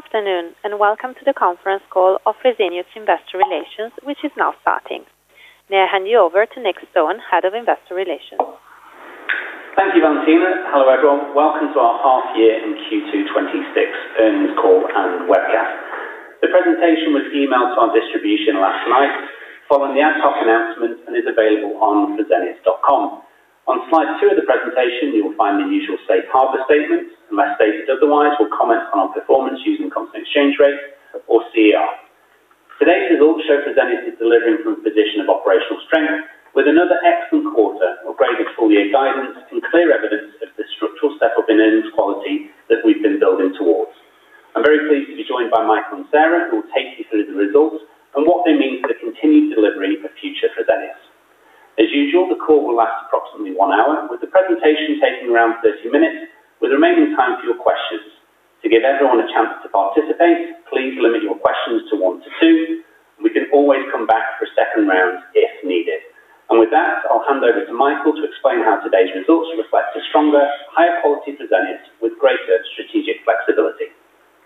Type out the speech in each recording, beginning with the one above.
Welcome to the conference call of Fresenius Investor Relations, which is now starting. May I hand you over to Nick Stone, Head of Investor Relations. Thank you, Valentina. Hello, everyone. Welcome to our half year and Q2 2026 earnings call and webcast. The presentation was emailed to our distribution last night following the ad hoc announcement and is available on fresenius.com. On slide two of the presentation, you will find the usual safe harbor statements. Unless stated otherwise, we'll comment on our performance using constant exchange rate or CER. Today's results show Fresenius is delivering from a position of operational strength with another excellent quarter, upgraded full-year guidance, and clear evidence of the structural step-up in earnings quality that we've been building towards. I'm very pleased to be joined by Michael and Sara, who will take you through the results and what they mean for the continued delivery of Future Fresenius. As usual, the call will last approximately one hour, with the presentation taking around 30 minutes, with the remaining time for your questions. To give everyone a chance to participate, please limit your questions to one to two, and we can always come back for a second round if needed. With that, I'll hand over to Michael to explain how today's results reflect a stronger, higher quality Fresenius with greater strategic flexibility.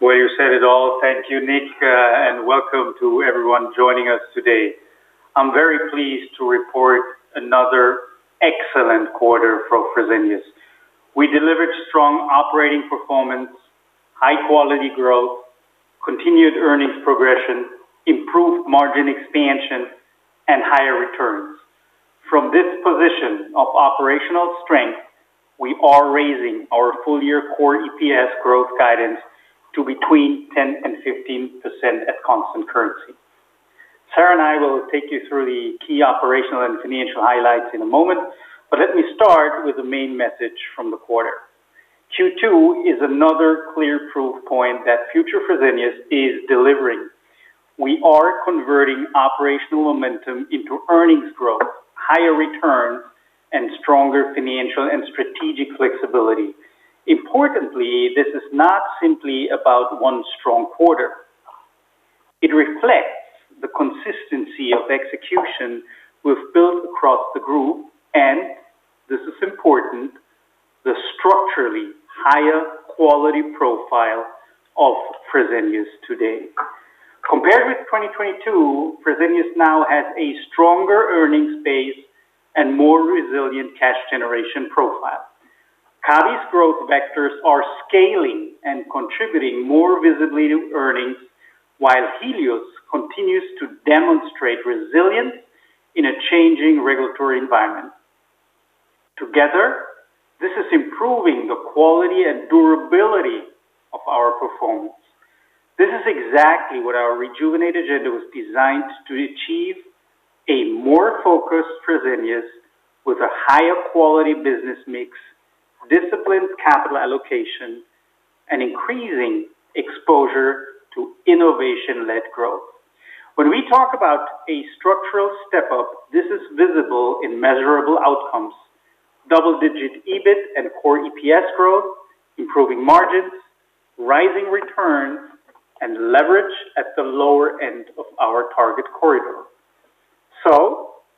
Well, you said it all. Thank you, Nick, and welcome to everyone joining us today. I'm very pleased to report another excellent quarter for Fresenius. We delivered strong operating performance, high-quality growth, continued earnings progression, improved margin expansion, and higher returns. From this position of operational strength, we are raising our full-year core EPS growth guidance to between 10% and 15% at constant currency. Sara and I will take you through the key operational and financial highlights in a moment, but let me start with the main message from the quarter. Q2 is another clear proof point that Future Fresenius is delivering. We are converting operational momentum into earnings growth, higher returns, and stronger financial and strategic flexibility. Importantly, this is not simply about one strong quarter. It reflects the consistency of execution we've built across the group, this is important, the structurally higher quality profile of Fresenius today. Compared with 2022, Fresenius now has a stronger earnings base and more resilient cash generation profile. Kabi's Growth Vectors are scaling and contributing more visibly to earnings, while Helios continues to demonstrate resilience in a changing regulatory environment. Together, this is improving the quality and durability of our performance. This is exactly what our REJUVENATE agenda was designed to achieve, a more focused Fresenius with a higher quality business mix, disciplined capital allocation, and increasing exposure to innovation-led growth. When we talk about a structural step-up, this is visible in measurable outcomes. Double-digit EBIT and core EPS growth, improving margins, rising returns, and leverage at the lower end of our target corridor.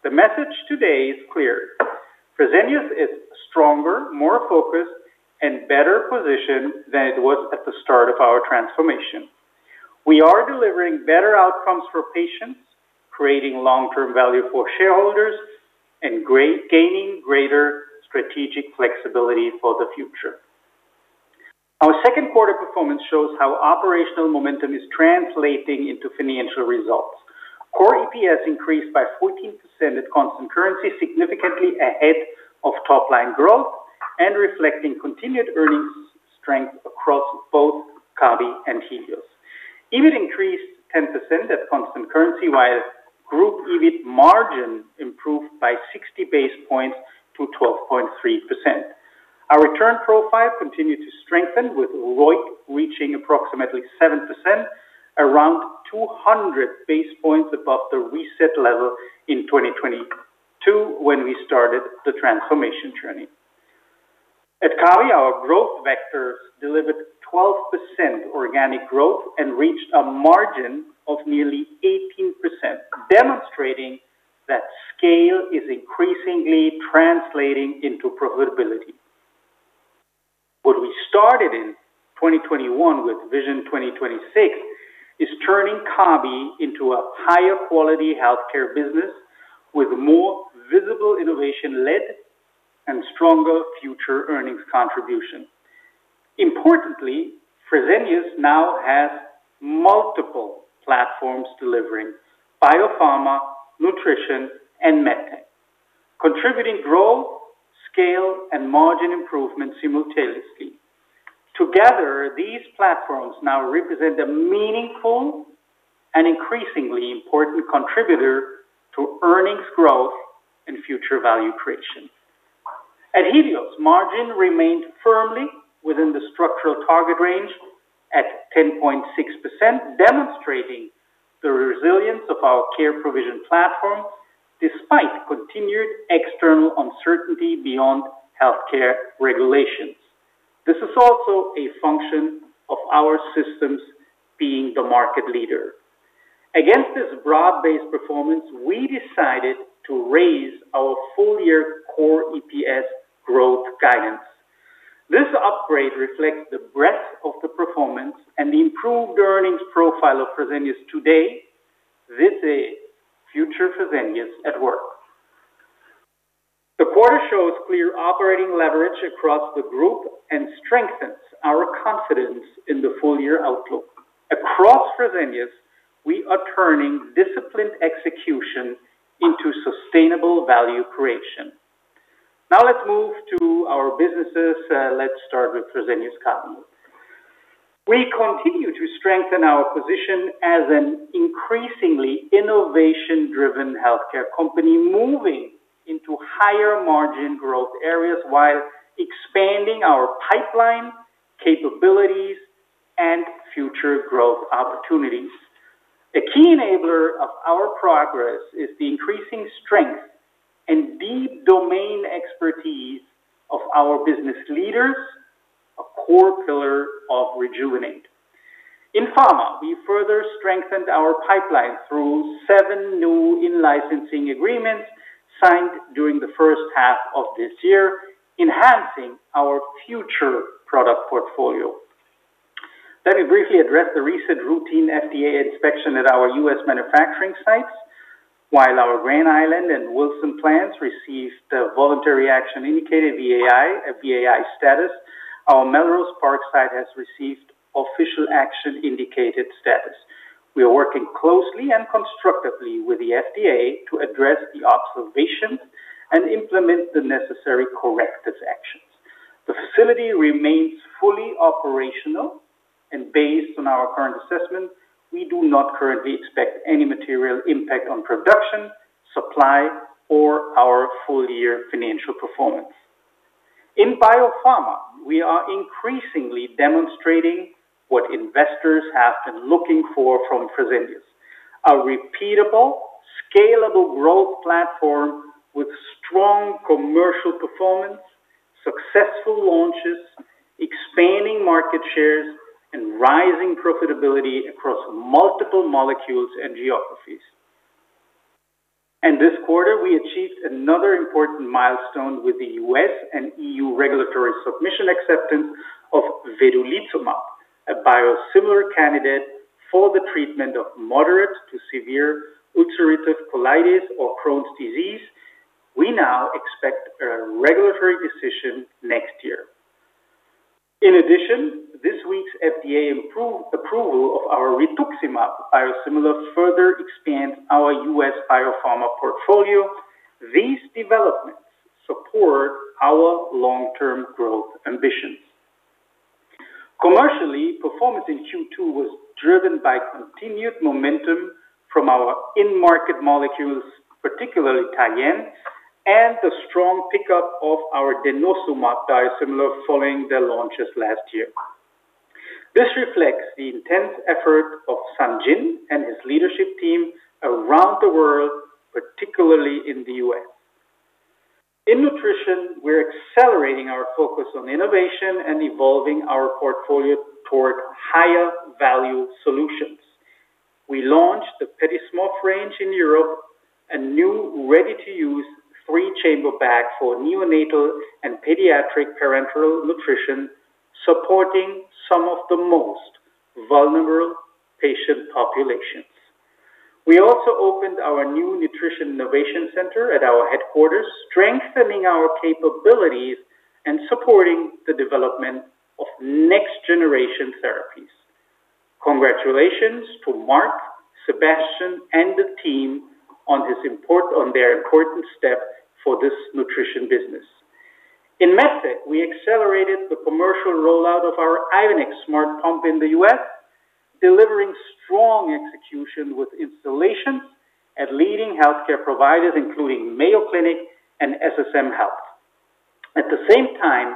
The message today is clear. Fresenius is stronger, more focused, and better positioned than it was at the start of our transformation. We are delivering better outcomes for patients, creating long-term value for shareholders, and gaining greater strategic flexibility for the future. Our second quarter performance shows how operational momentum is translating into financial results. Core EPS increased by 14% at constant currency, significantly ahead of top-line growth and reflecting continued earnings strength across both Kabi and Helios. EBIT increased 10% at constant currency, while group EBIT margin improved by 60 basis points to 12.3%. Our return profile continued to strengthen, with ROIC reaching approximately 7%, around 200 basis points above the reset level in 2022, when we started the transformation journey. At Kabi, our growth vectors delivered 12% organic growth and reached a margin of nearly 18%, demonstrating that scale is increasingly translating into profitability. What we started in 2021 with Vision 2026 is turning Kabi into a higher quality healthcare business with more visible innovation led and stronger future earnings contribution. Importantly, Fresenius now has multiple platforms delivering Biopharma, Nutrition, and MedTech, contributing growth, scale, and margin improvement simultaneously. Together, these platforms now represent a meaningful and increasingly important contributor to earnings growth and future value creation. At Helios, margin remained firmly within the structural target range at 10.6%, demonstrating the resilience of our care provision platform despite continued external uncertainty beyond healthcare regulations. This is also a function of our systems being the market leader. Against this broad-based performance, we decided to raise our full-year core EPS growth guidance. This upgrade reflects the breadth of the performance and the improved earnings profile of Fresenius today. This is future Fresenius at work. The quarter shows clear operating leverage across the group and strengthens our confidence in the full-year outlook. Across Fresenius, we are turning disciplined execution into sustainable value creation. Now let's move to our businesses. Let's start with Fresenius Kabi. We continue to strengthen our position as an increasingly innovation-driven healthcare company, moving into higher margin growth areas, while expanding our pipeline capabilities and future growth opportunities. A key enabler of our progress is the increasing strength and deep domain expertise of our business leaders, a core pillar of REJUVENATE. In Pharma, we further strengthened our pipeline through seven new in-licensing agreements signed during the first half of this year, enhancing our future product portfolio. Let me briefly address the recent routine FDA inspection at our U.S. manufacturing sites. While our Grand Island and Wilson plants received a voluntary action indicated, VAI status, our Melrose Park site has received official action indicated status. We are working closely and constructively with the FDA to address the observations and implement the necessary corrective actions. The facility remains fully operational, and based on our current assessment, we do not currently expect any material impact on production, supply, or our full-year financial performance. In Biopharma, we are increasingly demonstrating what investors have been looking for from Fresenius. A repeatable, scalable growth platform with strong commercial performance, successful launches, expanding market shares, and rising profitability across multiple molecules and geographies. In this quarter, we achieved another important milestone with the U.S. and EU regulatory submission acceptance of vedolizumab, a biosimilar candidate for the treatment of moderate to severe ulcerative colitis or Crohn's disease. We now expect a regulatory decision next year. This week's FDA approval of our rituximab biosimilar further expand our U.S. biopharma portfolio. These developments support our long-term growth ambitions. Commercially, performance in Q2 was driven by continued momentum from our in-market molecules, particularly Tyenne, and the strong pickup of our denosumab biosimilar following their launches last year. This reflects the intense effort of Sang-Jin and his leadership team around the world, particularly in the U.S. In nutrition, we're accelerating our focus on innovation and evolving our portfolio toward higher value solutions. We launched the Pedismof range in Europe, a new ready-to-use three-chamber bag for neonatal and pediatric parenteral nutrition, supporting some of the most vulnerable patient populations. We also opened our new nutrition innovation center at our headquarters, strengthening our capabilities and supporting the development of next generation therapies. Congratulations to Mark, Sebastian, and the team on their important step for this nutrition business. We accelerated the commercial rollout of our Ivenix smart pump in the U.S., delivering strong execution with installations at leading healthcare providers, including Mayo Clinic and SSM Health. At the same time,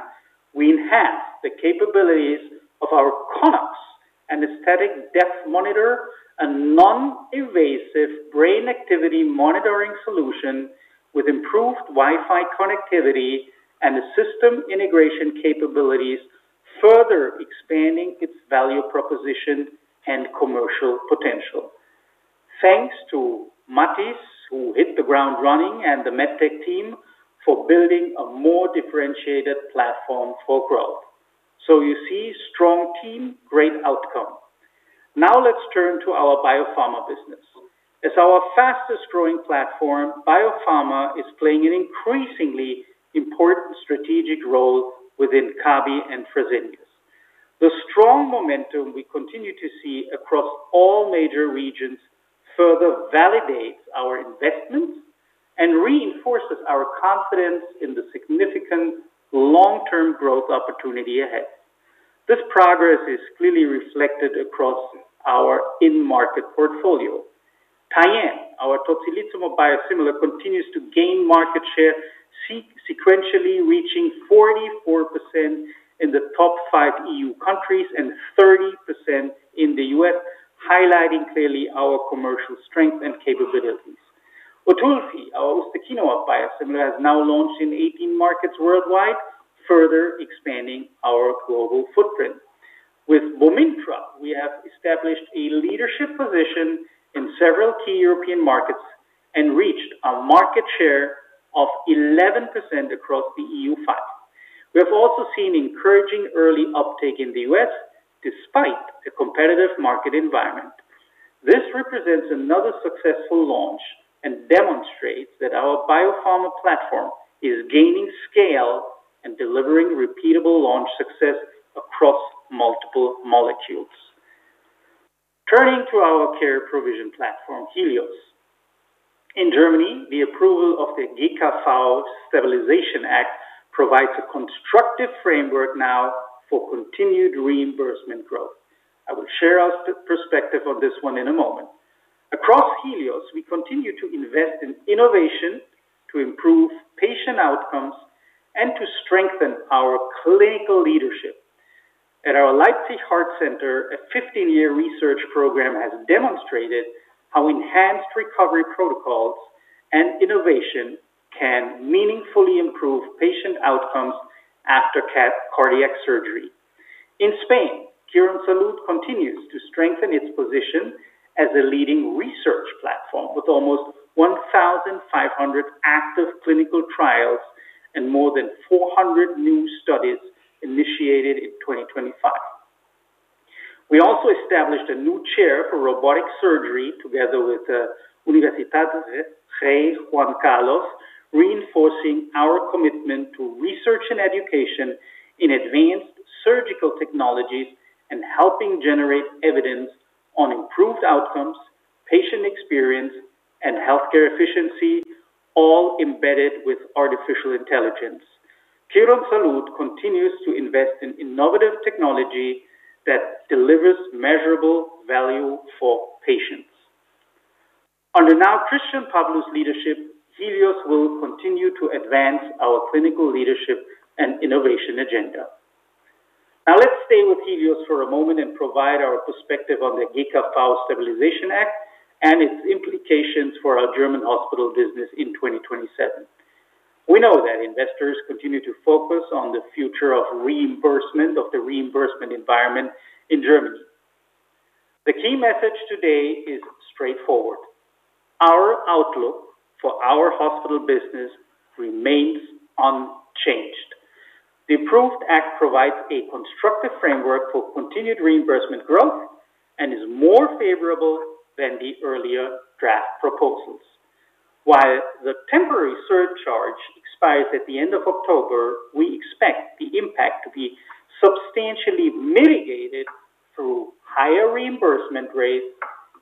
we enhanced the capabilities of our Conox anesthetic depth monitor, a non-invasive brain activity monitoring solution with improved Wi-Fi connectivity and system integration capabilities, further expanding its value proposition and commercial potential. Thanks to Matthijs, who hit the ground running, and the MedTech team for building a more differentiated platform for growth. You see, strong team, great outcome. Let's turn to our biopharma business. As our fastest growing platform, biopharma is playing an increasingly important strategic role within Kabi and Fresenius. The strong momentum we continue to see across all major regions further validates our investments and reinforces our confidence in the significant long-term growth opportunity ahead. This progress is clearly reflected across our in-market portfolio. Tyenne, our tocilizumab biosimilar, continues to gain market share, sequentially reaching 44% in the top five EU countries and 30% in the U.S., highlighting clearly our commercial strength and capabilities. Otulfi, our ustekinumab biosimilar, has now launched in 18 markets worldwide, further expanding our global footprint. With Bomyntra, we have established a leadership position in several key European markets and reached a market share of 11% across the EU5. We have also seen encouraging early uptake in the U.S. despite the competitive market environment. This represent another successful launch and demonstrate that our biopharma platform is gaining scale and delivering repeatable launch success across multiple molecules. Turning to our care provision platform, Helios. In Germany, the approval of the GKV Stabilization Act provides a constructive framework now for continued reimbursement growth. I will share our perspective on this one in a moment. Across Helios, we continue to invest in innovation to improve patient outcomes and to strengthen our clinical leadership. At our Leipzig Heart Center, a 15-year research program has demonstrated how enhanced recovery protocols and innovation can meaningfully improve patient outcomes after cardiac surgery. In Spain, Quirónsalud continues to strengthen its position as a leading research platform with almost 1,500 active clinical trials and more than 400 new studies initiated in 2025. We also established a new chair for robotic surgery together with [University Hospital] Rey Juan Carlos, reinforcing our commitment to research and education in advanced surgical technologies and helping generate evidence on improved outcomes, patient experience, and healthcare efficiency, all embedded with artificial intelligence. Quirónsalud continues to invest in innovative technology that delivers measurable value for patients. Under Christian Pawlu's leadership, Helios will continue to advance our clinical leadership and innovation agenda. Let's stay with Helios for a moment and provide our perspective on the GKV Stabilization Act and its implications for our German hospital business in 2027. We know that investors continue to focus on the future of the reimbursement environment in Germany. The key message today is straightforward. Our outlook for our hospital business remains unchanged. The approved act provides a constructive framework for continued reimbursement growth and is more favorable than the earlier draft proposals. While the temporary surcharge expires at the end of October, we expect the impact to be substantially mitigated through higher reimbursement rates,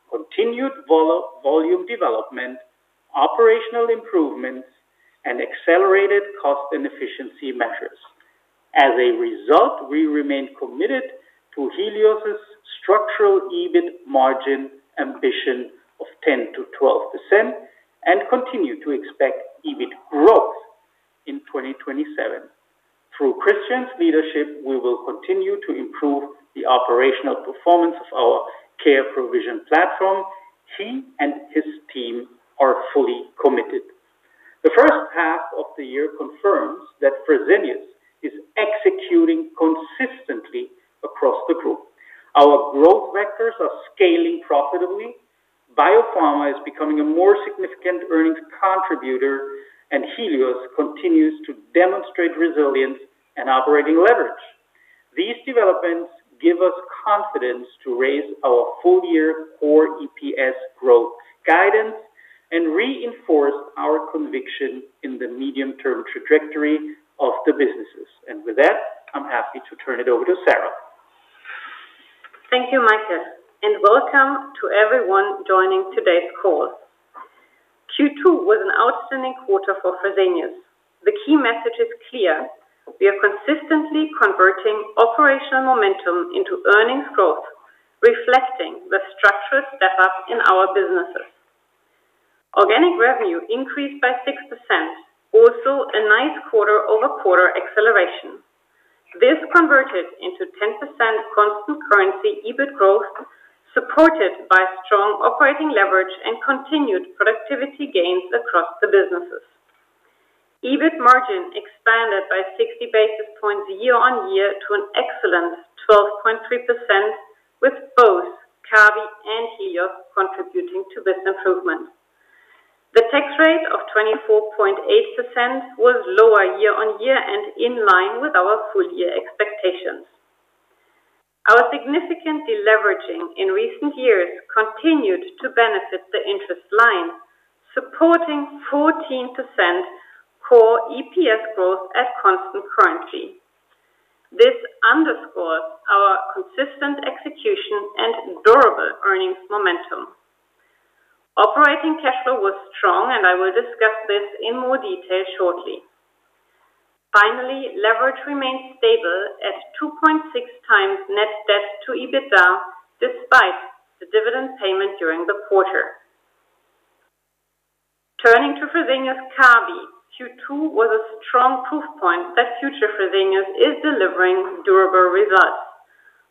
continued volume development, operational improvements, and accelerated cost and efficiency measures. As a result, we remain committed to Helios' structural EBIT margin ambition of 10%-12% and continue to expect EBIT growth in 2027. Through Christian's leadership, we will continue to improve the operational performance of our care provision platform. He and his team are fully committed. The first half of the year confirms that Fresenius is executing consistently across the group. Our growth vectors are scaling profitably. Biopharma is becoming a more significant earnings contributor, and Helios continues to demonstrate resilience and operating leverage. These developments give us confidence to raise our full-year core EPS growth guidance and reinforce our conviction in the medium-term trajectory of the businesses. With that, I'm happy to turn it over to Sara. Thank you, Michael, and welcome to everyone joining today's call. Q2 was an outstanding quarter for Fresenius. The key message is clear. We are consistently converting operational momentum into earnings growth, reflecting the structural step-up in our businesses. Organic revenue increased by 6%, also a nice quarter-over-quarter acceleration. This converted into 10% constant currency EBIT growth, supported by strong operating leverage and continued productivity gains across the businesses. EBIT margin expanded by 60 basis points year-on-year to an excellent 12.3%, with both Kabi and Helios contributing to this improvement. The tax rate of 24.8% was lower year-on-year and in line with our full-year expectations. Our significant deleveraging in recent years continued to benefit the interest line, supporting 14% core EPS growth at constant currency. This underscores our consistent execution and durable earnings momentum. Operating cash flow was strong, I will discuss this in more detail shortly. Finally leverage remains stable at 2.6x net debt to EBITDA, despite the dividend payment during the quarter. Turning to Fresenius Kabi, Q2 was a strong proof point that Future Fresenius is delivering durable results.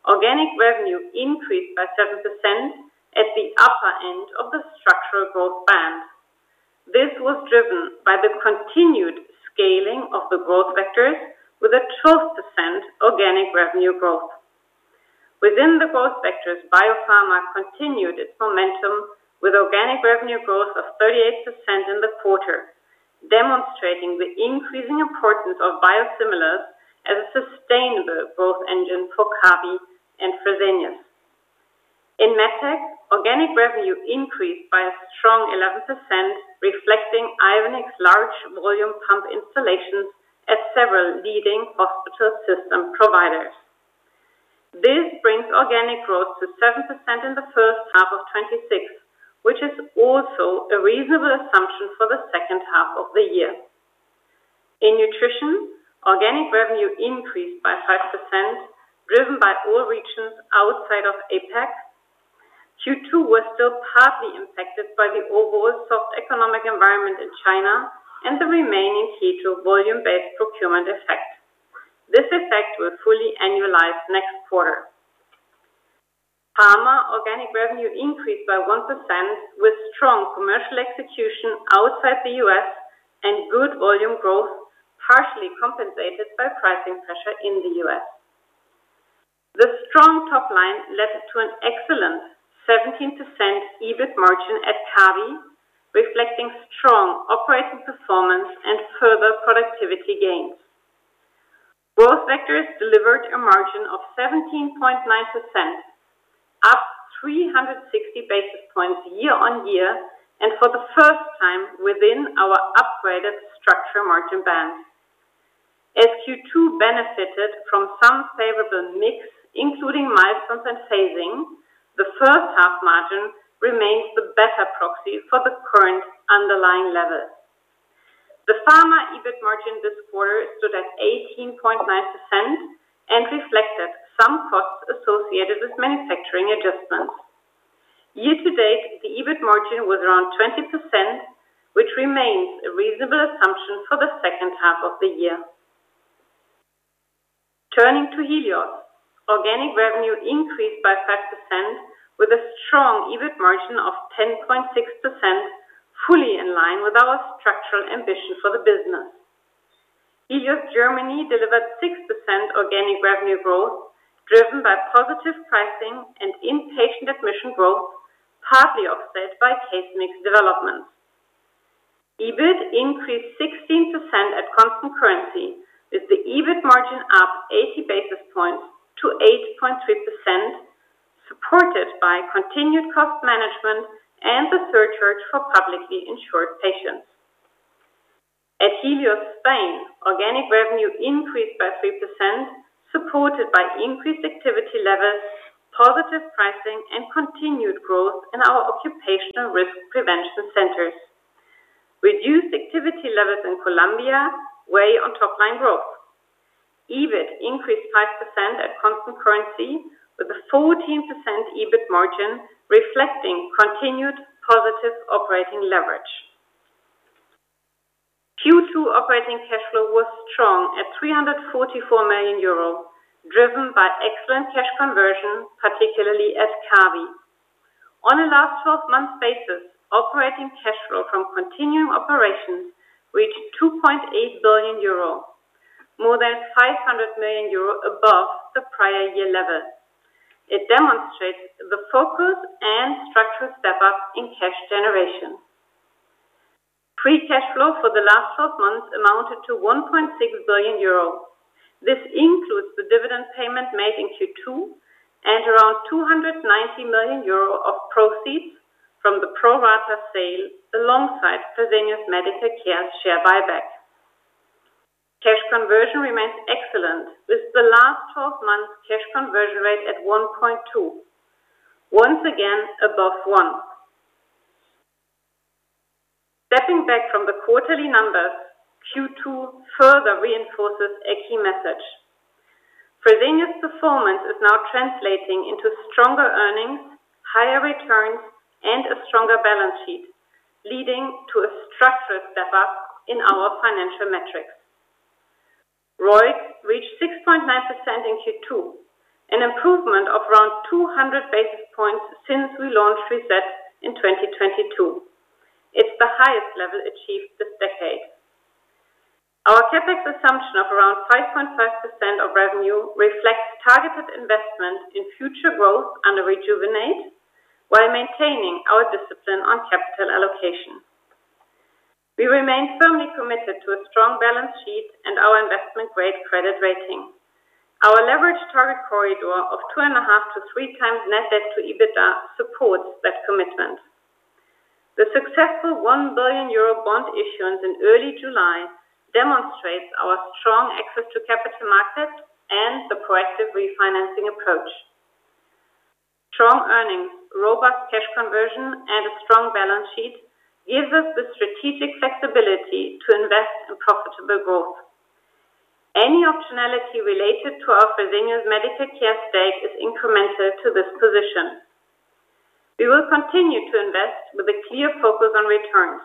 Organic revenue increased by 7% at the upper end of the structural growth band. This was driven by the continued scaling of the growth vectors with a 12% organic revenue growth. Within the growth vectors, Biopharma continued its momentum with organic revenue growth of 38% in the quarter, demonstrating the increasing importance of biosimilars as a sustainable growth engine for Kabi and Fresenius. In MedTech, organic revenue increased by a strong 11%, reflecting Ivenix's large volume pump installations at several leading hospital system providers. This brings organic growth to 7% in the first half of 2026, which is also a reasonable assumption for the second half of the year. In Nutrition, organic revenue increased by 5%, driven by all regions outside of APAC. Q2 was still partly impacted by the overall soft economic environment in China and the remaining H2 volume-based procurement effect. This effect will fully annualize next quarter. Pharma organic revenue increased by 1% with strong commercial execution outside the U.S. and good volume growth, partially compensated by pricing pressure in the U.S. The strong top line led to an excellent 17% EBIT margin at Kabi, reflecting strong operating performance and further productivity gains. Growth vectors delivered a margin of 17.9%, up 360 basis points year-on-year and for the first time within our upgraded structural margin band. As Q2 benefited from some favorable mix, including milestones and phasing, the first half margin remains the better proxy for the current underlying level. The Pharma EBIT margin this quarter stood at 18.9% and reflected some costs associated with manufacturing adjustments. Year-to-date, the EBIT margin was around 20%, which remains a reasonable assumption for the second half of the year. Turning to Helios. Organic revenue increased by 5%, with a strong EBIT margin of 10.6%, fully in line with our structural ambition for the business. Helios Germany delivered 6% organic revenue growth, driven by positive pricing and inpatient admission growth, partly offset by case mix developments. EBIT increased 16% at constant currency, with the EBIT margin up 80 basis points to 8.3%, supported by continued cost management and the surcharge for publicly insured patients. At Helios Spain, organic revenue increased by 3%, supported by increased activity levels, positive pricing, and continued growth in our occupational risk prevention centers. Reduced activity levels in Colombia weigh on top line growth. EBIT increased 5% at constant currency with a 14% EBIT margin, reflecting continued positive operating leverage. Q2 operating cash flow was strong at 344 million euro, driven by excellent cash conversion, particularly at Kabi. On a last 12-months basis, operating cash flow from continuing operations reached 2.8 billion euro, more than 500 million euro above the prior year level. It demonstrates the focus and structural step-up in cash generation. Free cash flow for the last 12 months amounted to 1.6 billion euro. This includes the dividend payment made in Q2 and around 290 million euro of proceeds from the pro-rata sale alongside Fresenius Medical Care share buyback. Cash conversion remains excellent, with the last 12-months cash conversion rate at 1.2. Once again, above one. Stepping back from the quarterly numbers, Q2 further reinforces a key message. Fresenius performance is now translating into stronger earnings, higher returns, and a stronger balance sheet, leading to a structural step-up in our financial metrics. ROIC reached 6.9% in Q2, an improvement of around 200 basis points since we launched Reset in 2022. It's the highest level achieved this decade. Our CapEx assumption of around 5.5% of revenue reflects targeted investment in future growth under REJUVENATE while maintaining our discipline on capital allocation. We remain firmly committed to a strong balance sheet and our investment-grade credit rating. Our leverage target corridor of 2.5x-3x net debt to EBITDA supports that commitment. The successful 1 billion euro bond issuance in early July demonstrates our strong access to capital markets and the proactive refinancing approach. Strong earnings, robust cash conversion, and a strong balance sheet gives us the strategic flexibility to invest in profitable growth. Any optionality related to our Fresenius Medical Care stake is incremental to this position. We will continue to invest with a clear focus on returns.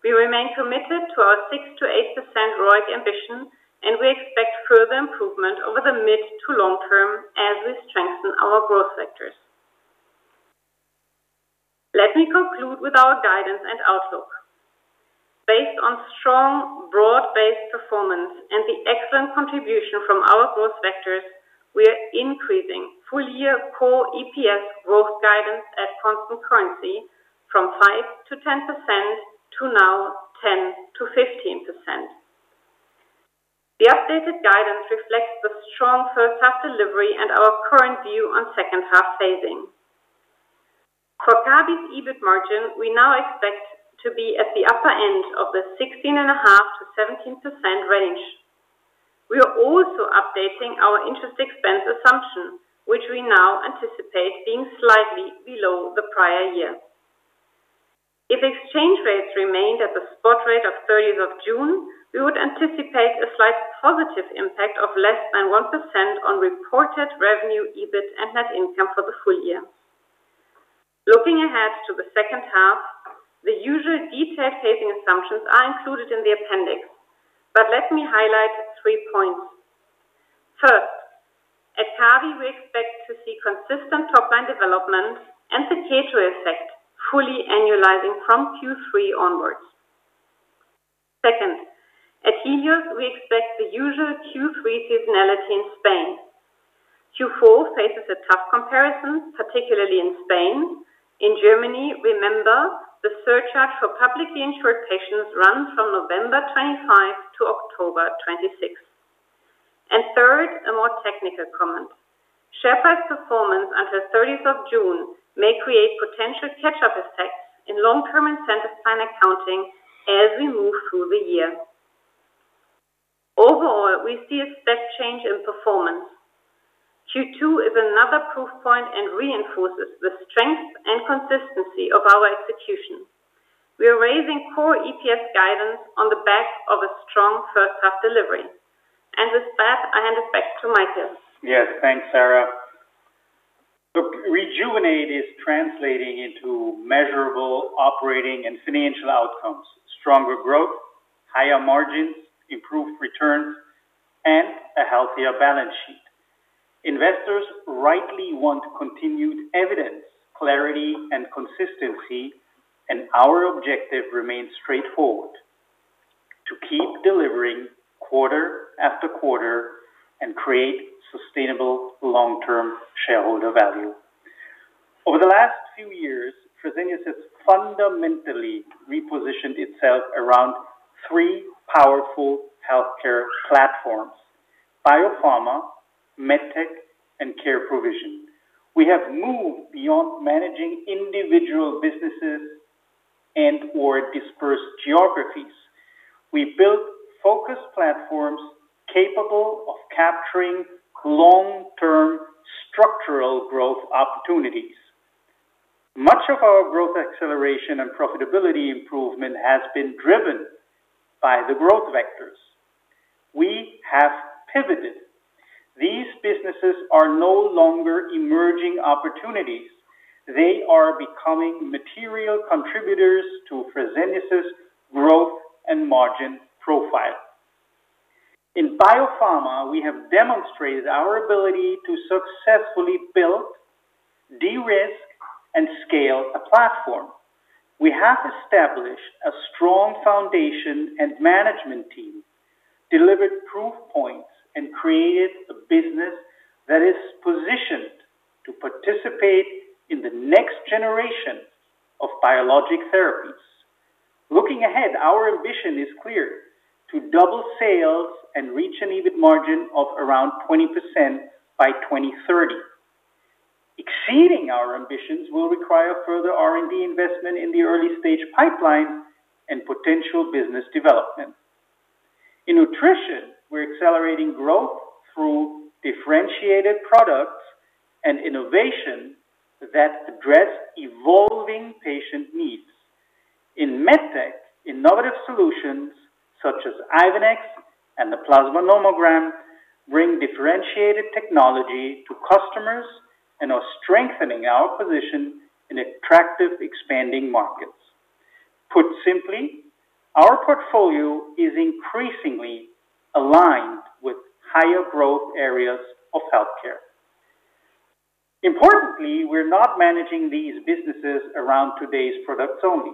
We remain committed to our 6%-8% ROIC ambition, and we expect further improvement over the mid to long term as we strengthen our growth sectors. Let me conclude with our guidance and outlook. Based on strong, broad-based performance and the excellent contribution from our growth vectors, we are increasing full-year core EPS growth guidance at constant currency from 5%-10%, to now 10%-15%. The updated guidance reflects the strong first half delivery and our current view on second half phasing. For Kabi's EBIT margin, we now expect to be at the upper end of the 16.5%-17% range. We are also updating our interest expense assumption, which we now anticipate being slightly below the prior year. If exchange rates remained at the spot rate of June 30th, we would anticipate a slight positive impact of less than 1% on reported revenue, EBIT, and net income for the full year. Looking ahead to the second half, the usual detailed phasing assumptions are included in the appendix. Let me highlight three points. First, at Kabi, we expect to see consistent top-line development and the K2 effect fully annualizing from Q3 onwards. Second, at Helios, we expect the usual Q3 seasonality in Spain. Q4 faces a tough comparison, particularly in Spain. In Germany, remember the surcharge for publicly insured patients runs from November 2025 to October 2026. Third, a more technical comment. Share price performance until June 30th may create potential catch-up effects in long-term incentive plan accounting as we move through the year. Overall, we see a step change in performance. Q2 is another proof point and reinforces the strength and consistency of our execution. We are raising core EPS guidance on the back of a strong first half delivery. With that, I hand it back to Michael. Yes, thanks, Sara. Look, REJUVENATE is translating into measurable operating and financial outcomes, stronger growth, higher margins, improved returns, and a healthier balance sheet. Investors rightly want continued evidence, clarity, and consistency. Our objective remains straightforward, to keep delivering quarter-after-quarter and create sustainable long-term shareholder value. Over the last few years, Fresenius has fundamentally repositioned itself around three powerful healthcare platforms: Biopharma, MedTech, and Care provision. We have moved beyond managing individual businesses and/or dispersed geographies. We built focused platforms capable of capturing long-term structural growth opportunities. Much of our growth acceleration and profitability improvement has been driven by the growth vectors. We have pivoted. These businesses are no longer emerging opportunities. They are becoming material contributors to Fresenius' growth and margin profile. In Biopharma, we have demonstrated our ability to successfully build, de-risk, and scale a platform. We have established a strong foundation and management team, delivered proof points, and created a business that is positioned to participate in the next generation of biologic therapies. Looking ahead, our ambition is clear: to double sales and reach an EBIT margin of around 20% by 2030. Exceeding our ambitions will require further R&D investment in the early-stage pipeline and potential business development. In Nutrition, we're accelerating growth through differentiated products and innovation that address evolving patient needs. In MedTech, innovative solutions such as Ivenix and the Plasma Nomogram bring differentiated technology to customers and are strengthening our position in attractive expanding markets. Put simply, our portfolio is increasingly aligned with higher growth areas of healthcare. Importantly, we're not managing these businesses around today's products only.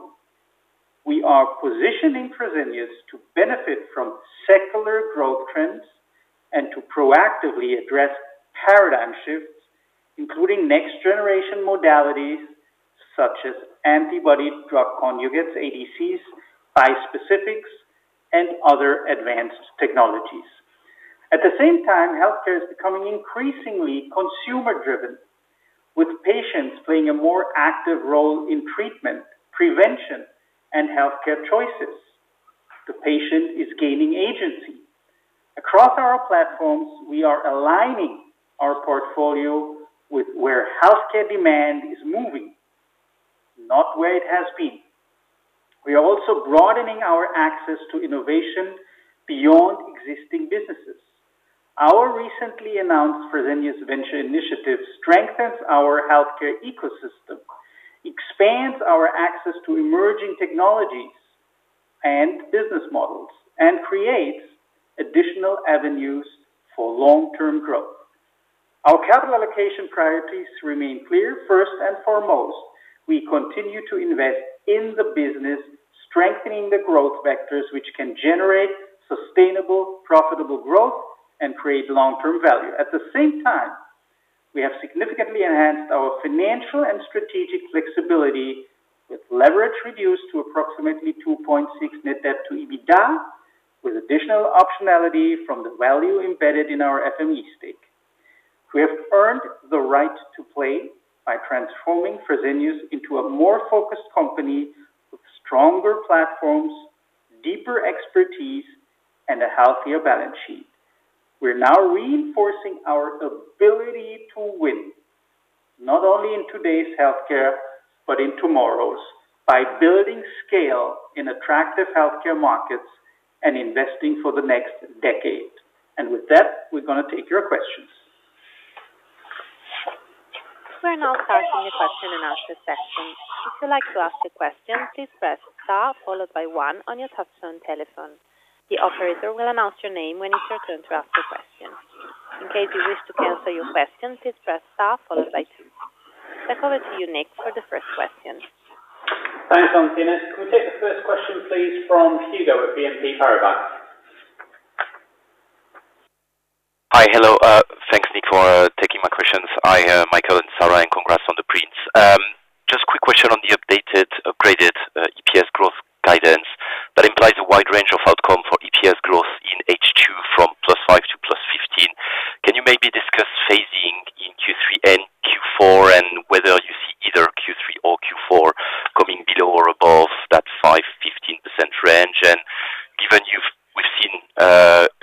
We are positioning Fresenius to benefit from secular growth trends and to proactively address paradigm shifts, including next-generation modalities such as antibody-drug conjugates, ADCs, bispecifics, and other advanced technologies. At the same time, healthcare is becoming increasingly consumer-driven, with patients playing a more active role in treatment, prevention, and healthcare choices. The patient is gaining agency. Across our platforms, we are aligning our portfolio with where healthcare demand is moving, not where it has been. We are also broadening our access to innovation beyond existing businesses. Our recently announced Fresenius Ventures initiative strengthens our healthcare ecosystem, expands our access to emerging technologies and business models, and creates additional avenues for long-term growth. Our capital allocation priorities remain clear. First and foremost, we continue to invest in the business, strengthening the growth vectors, which can generate sustainable, profitable growth and create long-term value. At the same time, we have significantly enhanced our financial and strategic flexibility with leverage reduced to approximately 2.6x net debt to EBITDA, with additional optionality from the value embedded in our FME stake. We have earned the right to play by transforming Fresenius into a more focused company with stronger platforms, deeper expertise, and a healthier balance sheet. We're now reinforcing our ability to win, not only in today's healthcare, but in tomorrow's, by building scale in attractive healthcare markets and investing for the next decade. With that, we're going to take your questions. We're now starting the question-and-answer section. If you'd like to ask a question, please press star followed by one on your touchtone telephone. The operator will announce your name when it's your turn to ask a question. In case you wish to cancel your question, please press star followed by two. Back over to you, Nick, for the first question. Thanks, Angelina. Can we take the first question, please, from Hugo at BNP Paribas? Hi. Hello. Thanks, Nick, for taking my questions. Hi, Michael and Sara, and congrats on the prints. Just a quick question on the updated, upgraded EPS growth guidance that implies a wide range of outcome for EPS growth in H2 from +5% to +15%. Can you maybe discuss phasing in Q3 and Q4 and whether you see either Q3 or Q4 coming below or above that 5%-15% range? Given we've seen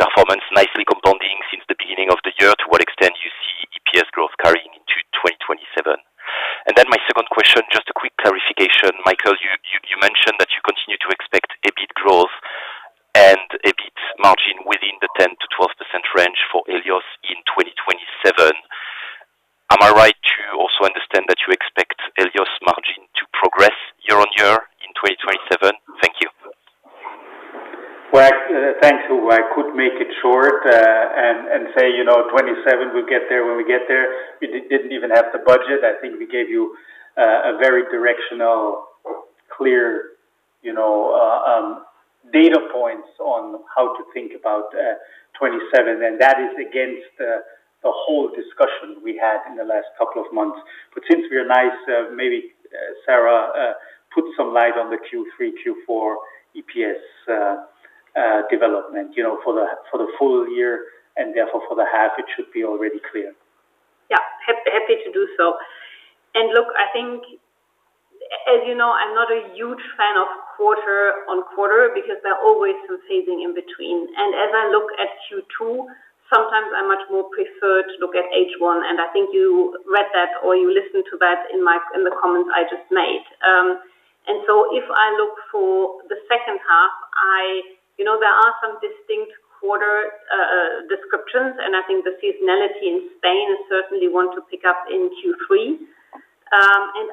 performance nicely compounding since the beginning of the year, to what extent you see EPS growth carrying into 2027? My second question, just a quick clarification. Michael, you mentioned that you continue to expect EBIT growth and EBIT margin within the 10%-12% range for Helios in 2027. Am I right to also understand that you expect Helios margin to progress year-on-year in 2027? Thank you. Well, thanks, Hugo. I could make it short and say, 2027, we'll get there when we get there. We didn't even have the budget. I think we gave you a very directional, clear data points on how to think about 2027, and that is against the whole discussion we had in the last couple of months. Since we are nice, maybe Sara put some light on the Q3, Q4 EPS development, for the full year and therefore for the half, it should be already clear. Yeah. Happy to do so. Look, I think, as you know, I am not a huge fan of quarter-on-quarter because there are always some phasing in between. As I look at Q2, sometimes I much more prefer to look at H1, and I think you read that or you listened to that in the comments I just made. If I look for the second half, there are some distinct quarter descriptions, and I think the seasonality in Spain is certainly one to pick up in Q3.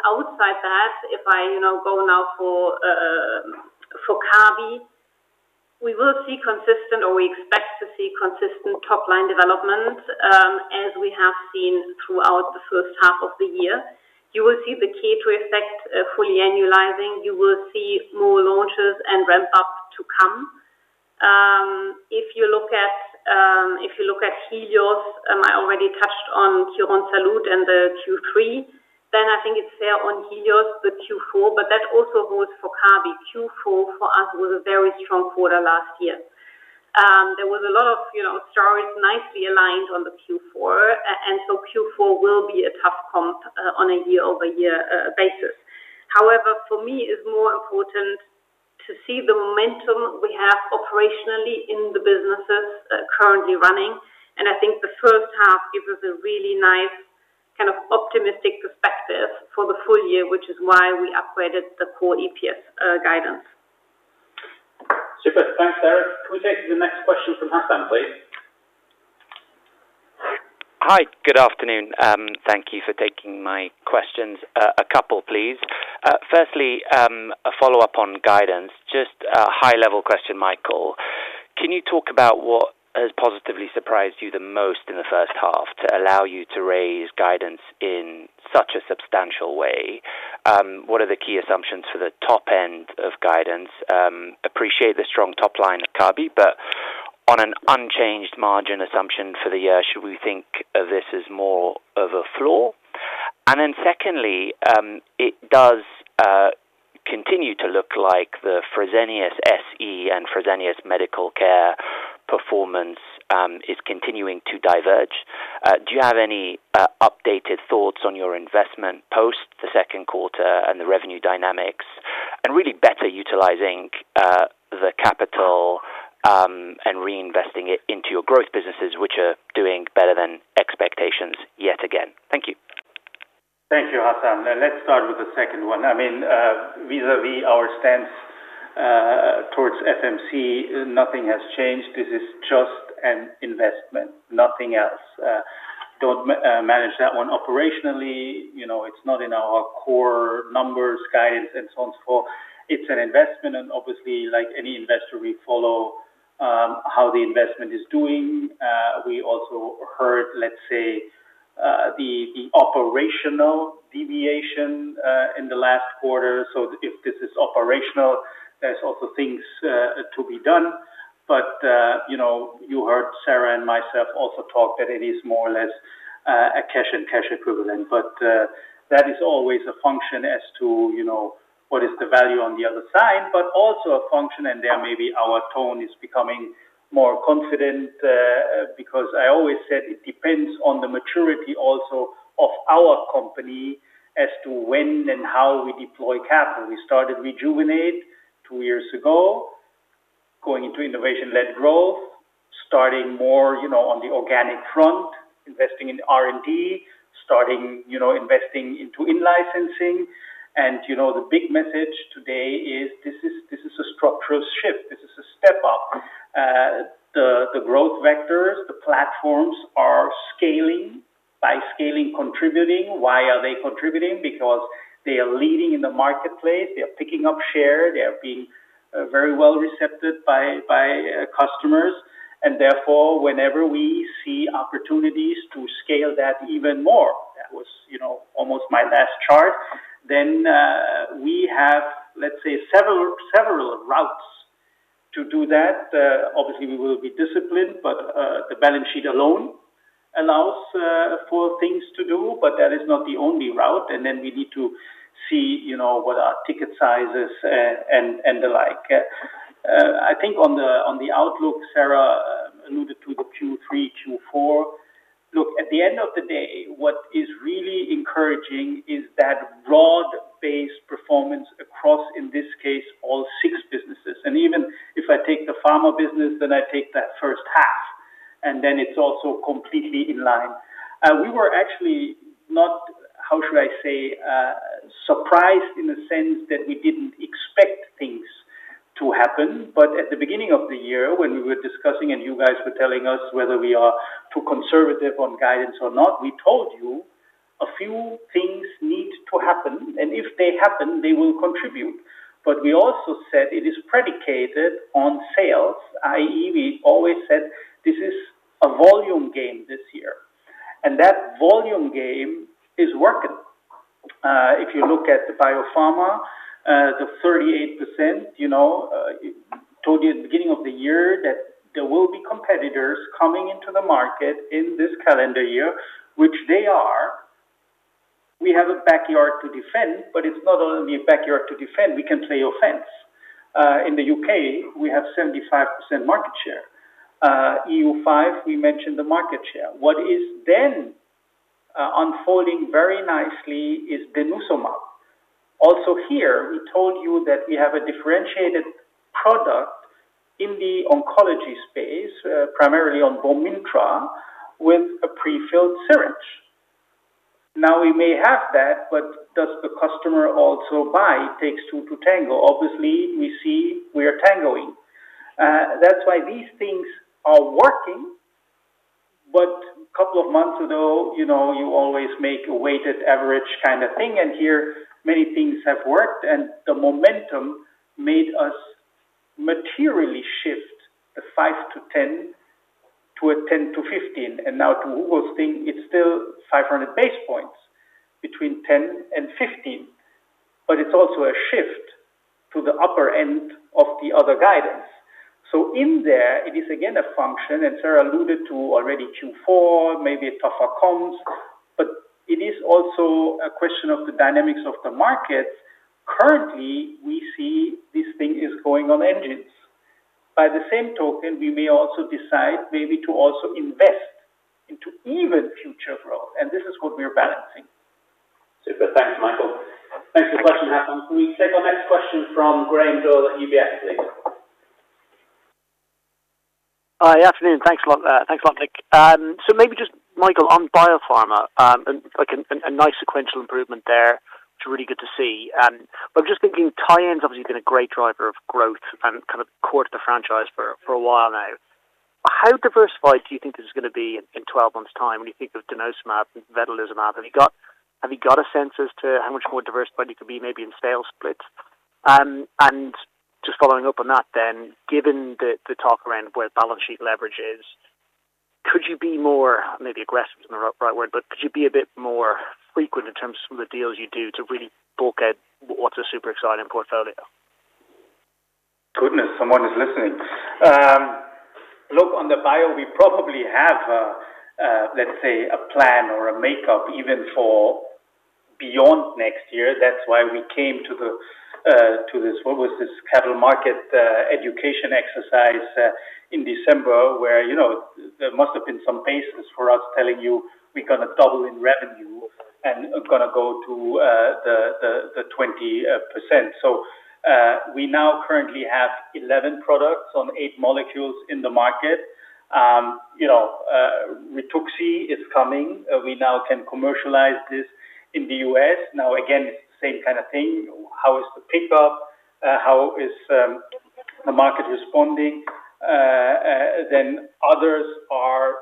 Outside that, if I go now for Kabi, we will see consistent or we expect to see consistent top-line development as we have seen throughout the first half of the year. You will see the K2 effect fully annualizing. You will see more launches and ramp up to come. If you look at Helios, I already touched on Quirónsalud and the Q3, I think it is fair on Helios with Q4, but that also goes for Kabi. Q4 for us was a very strong quarter last year. There was a lot of stories nicely aligned on the Q4 will be a tough comp on a year-over-year basis. However, for me, it is more important to see the momentum we have operationally in the businesses currently running, and I think the first half gives us a really nice kind of optimistic perspective for the full year, which is why we upgraded the core EPS guidance. Super. Thanks, Sara. Can we take the next question from Hassan, please? Hi, good afternoon. Thank you for taking my questions. A couple, please. Firstly, a follow-up on guidance. Just a high level question, Michael. Can you talk about what has positively surprised you the most in the first half to allow you to raise guidance in such a substantial way? What are the key assumptions for the top end of guidance? Appreciate the strong top line at Kabi, on an unchanged margin assumption for the year, should we think of this as more of a flaw? Secondly, it does continue to look like the Fresenius SE and Fresenius Medical Care performance is continuing to diverge. Do you have any updated thoughts on your investment post the second quarter and the revenue dynamics, and really better utilizing the capital and reinvesting it into your growth businesses, which are doing better than expectations yet again? Thank you. Thank you, Hassan. Let's start with the second one. Vis-a-vis our stance towards FMC, nothing has changed. This is just an investment, nothing else. Don't manage that one operationally. It's not in our core numbers, guidance, and so on, so forth. It's an investment, and obviously, like any investor, we follow how the investment is doing. We also heard, let's say, the operational deviation in the last quarter. If this is operational, there's also things to be done. You heard Sara and myself also talk that it is more or less a cash and cash equivalent. That is always a function as to what is the value on the other side, but also a function, and there maybe our tone is becoming more confident, because I always said it depends on the maturity also of our company as to when and how we deploy capital. We started REJUVENATE two years ago, going into innovation-led growth, starting more on the organic front, investing in R&D, starting investing into in-licensing. The big message today is this is a structural shift. This is a step up. The growth vectors, the platforms are scaling. By scaling, contributing. Why are they contributing? Because they are leading in the marketplace. They are picking up share. They are being very well [accepted] by customers. Therefore, whenever we see opportunities to scale that even more, that was almost my last chart, then we have, let's say, several routes to do that. Obviously, we will be disciplined, but the balance sheet alone allows for things to do, but that is not the only route. We need to see what are ticket sizes and the like. I think on the outlook, Sara alluded to the Q3, Q4. Look, at the end of the day, what is really encouraging is that broad-based performance across, in this case, all six businesses. Even if I take the pharma business, then I take that first half, and then it's also completely in line. We were actually not, how should I say, surprised in the sense that we didn't expect things to happen. At the beginning of the year when we were discussing and you guys were telling us whether we are too conservative on guidance or not, we told you a few things need to happen, and if they happen, they will contribute. We also said it is predicated on sales, i.e., we always said this is a volume game this year, and that volume game is working. If you look at the Biopharma, the 38%, told you at the beginning of the year that there will be competitors coming into the market in this calendar year, which they are. We have a backyard to defend, but it's not only a backyard to defend. We can play offense. In the U.K., we have 75% market share. EU5, we mentioned the market share. What is then unfolding very nicely is denosumab. Also here, we told you that we have a differentiated product in the oncology space, primarily on Bomyntra, with a prefilled syringe. Now, we may have that, but does the customer also buy? It takes two to tango. Obviously, we see we are tangoing. That's why these things are working. Couple of months ago, you always make a weighted average kind of thing, and here many things have worked and the momentum made us materially shift a 5%-10% to a 10%-15%. Now to [Hugo's] thing, it's still 500 basis points between 10% and 15%, but it's also a shift to the upper end of the other guidance. In there, it is again a function, and Sara alluded to already Q4, maybe tougher comps, but it is also a question of the dynamics of the market. Currently, we see this thing is going on engines. By the same token, we may also decide maybe to also invest into even future growth, and this is what we are balancing. Super. Thanks, Michael. Thanks for the question, Hassan. Can we take our next question from Graham Doyle at UBS, please? Hi. Afternoon. Thanks a lot, Nick. Maybe just Michael, on Biopharma, a nice sequential improvement there, which is really good to see. I'm just thinking Tyenne's obviously been a great driver of growth and core to the franchise for a while now. How diversified do you think this is going to be in 12 months' time when you think of denosumab, vedolizumab? Have you got a sense as to how much more diversified it could be maybe in sales splits? Just following up on that then, given the talk around where the balance sheet leverage is, could you be more, maybe aggressive isn't the right word, but could you be a bit more frequent in terms of some of the deals you do to really bulk out what's a super exciting portfolio? Goodness, someone is listening. Look, on the bio, we probably have, let's say, a plan or a makeup even for beyond next year. That's why we came to this, what was this capital market education exercise in December where there must have been some basis for us telling you we're going to double in revenue and going to go to 20%. We now currently have 11 products on eight molecules in the market. Rituxi is coming. We now can commercialize this in the U.S. Again, it's the same kind of thing. How is the pickup? How is the market responding? Others are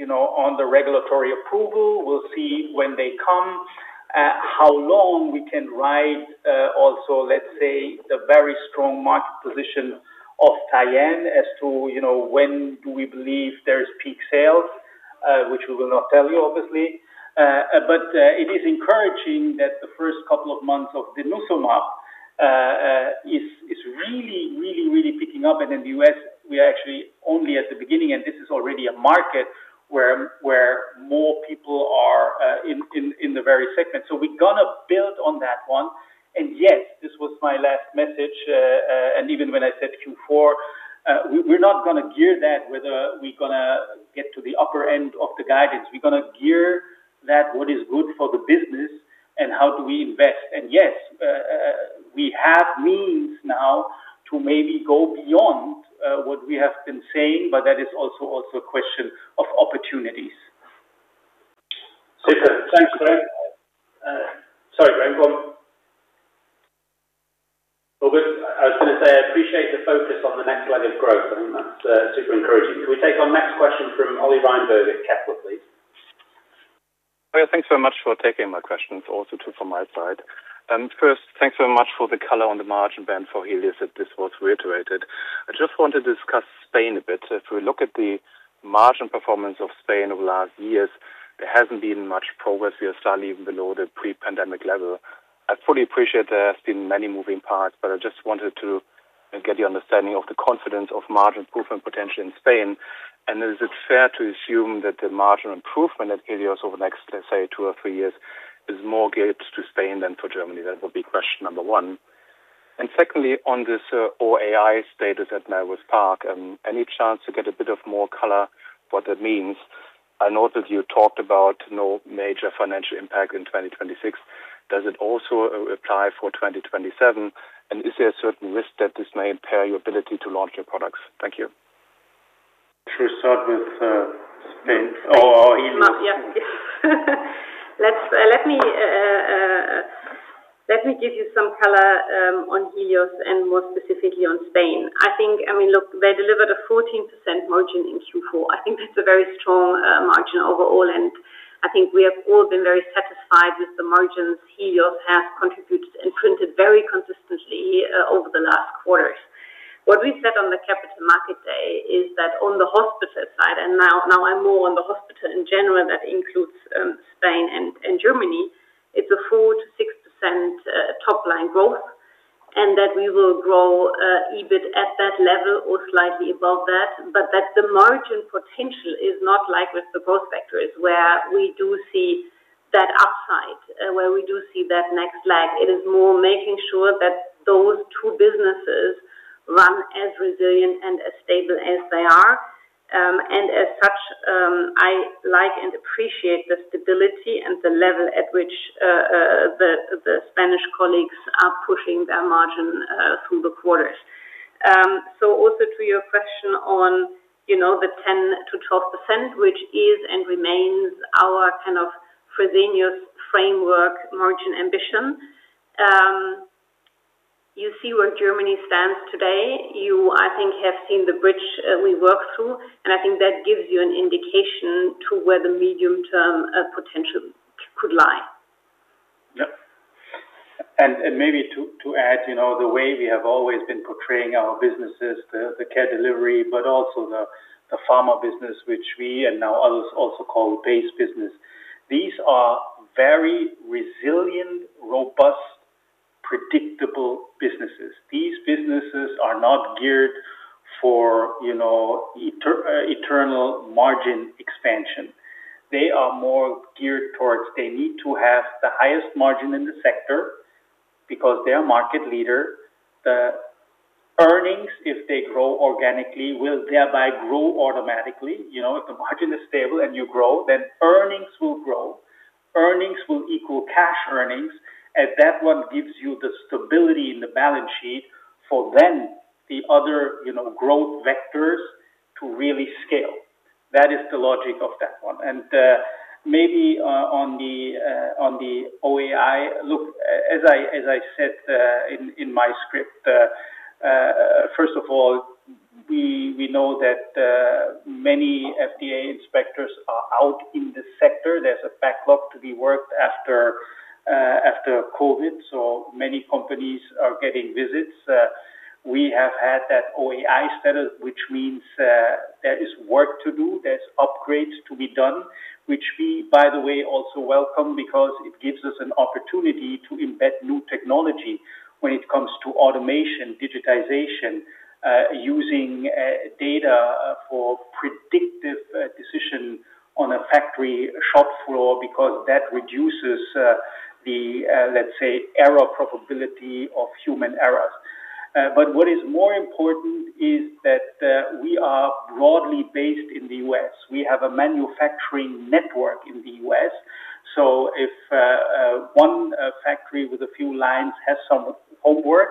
on the regulatory approval. We'll see when they come. How long we can ride also, let's say, the very strong market position of Tyenne as to when do we believe there's peak sales, which we will not tell you obviously. It is encouraging that the first couple of months of the denosumab is really, really, really picking up. In the U.S., we are actually only at the beginning, and this is already a market where more people are in the very segment. We're going to build on that one. Yes, this was my last message. Even when I said Q4, we're not going to gear that whether we're going to get to the upper end of the guidance. We're going to gear that what is good for the business and how do we invest. Yes, we have means now to maybe go beyond what we have been saying, but that is also a question of opportunities. Super. Thanks, Graham. Sorry, Graham. Go on. I was going to say, I appreciate the focus on the next leg of growth. I think that's super encouraging. Can we take our next question from Ollie Reinberg at Kepler, please? Thanks very much for taking my questions also too from my side. First, thanks very much for the color on the margin, [Sen], for Helios that this was reiterated. I just want to discuss Spain a bit. If we look at the margin performance of Spain over the last years, there hasn't been much progress. We are slightly even below the pre-pandemic level. I fully appreciate there has been many moving parts, but I just wanted to get your understanding of the confidence of margin improvement potential in Spain. Is it fair to assume that the margin improvement at Helios over the next, let's say, two or three years is more geared to Spain than to Germany? That would be question number one. Secondly, on this OAI status at Melrose Park, any chance to get a bit of more color what that means? I noticed you talked about no major financial impact in 2026. Does it also apply for 2027? Is there a certain risk that this may impair your ability to launch your products? Thank you. Should we start with Spain or Helios? Yeah. Let me give you some color on Helios and more specifically on Spain. I think, look, they delivered a 14% margin in Q4. I think that's a very strong margin overall, and I think we have all been very satisfied with the margins Helios has contributed and printed very consistently over the last quarters. What we said on the Capital Market Day is that on the hospital side, and now I'm more on the hospital in general, that includes Spain and Germany. It's a 4%-6% top-line growth, and that we will grow EBIT at that level or slightly above that. That the margin potential is not like with the growth sectors where we do see that upside, where we do see that next leg. It is more making sure that those two businesses run as resilient and as stable as they are. As such, I like and appreciate the stability and the level at which the Spanish colleagues are pushing their margin through the quarters. Also to your question on the 10%-12%, which is and remains our kind of Fresenius framework margin ambition. You see where Germany stands today. You, I think, have seen the bridge we work through, and I think that gives you an indication to where the medium-term potential could lie. Yeah. Maybe to add, the way we have always been portraying our businesses, the care delivery, but also the Pharma business, which we and now others also call the base business. These are very resilient, robust, predictable businesses. These businesses are not geared for eternal margin expansion. They are more geared towards they need to have the highest margin in the sector because they are market leader. The earnings, if they grow organically, will thereby grow automatically. If the margin is stable and you grow, then earnings will grow. Earnings will equal cash earnings, and that one gives you the stability in the balance sheet for then the other growth vectors to really scale. That is the logic of that one. Maybe on the OAI. Look, as I said in my script. First of all, we know that many FDA inspectors are out in the sector. There's a backlog to be worked after COVID. Many companies are getting visits. We have had that OAI status, which means there is work to do. There's upgrades to be done, which we, by the way, also welcome because it gives us an opportunity to embed new technology when it comes to automation, digitization using data for predictive decision on a factory shop floor because that reduces the, let's say, error probability of human errors. What is more important is that we are broadly based in the U.S. We have a manufacturing network in the U.S., so if one factory with a few lines has some homework,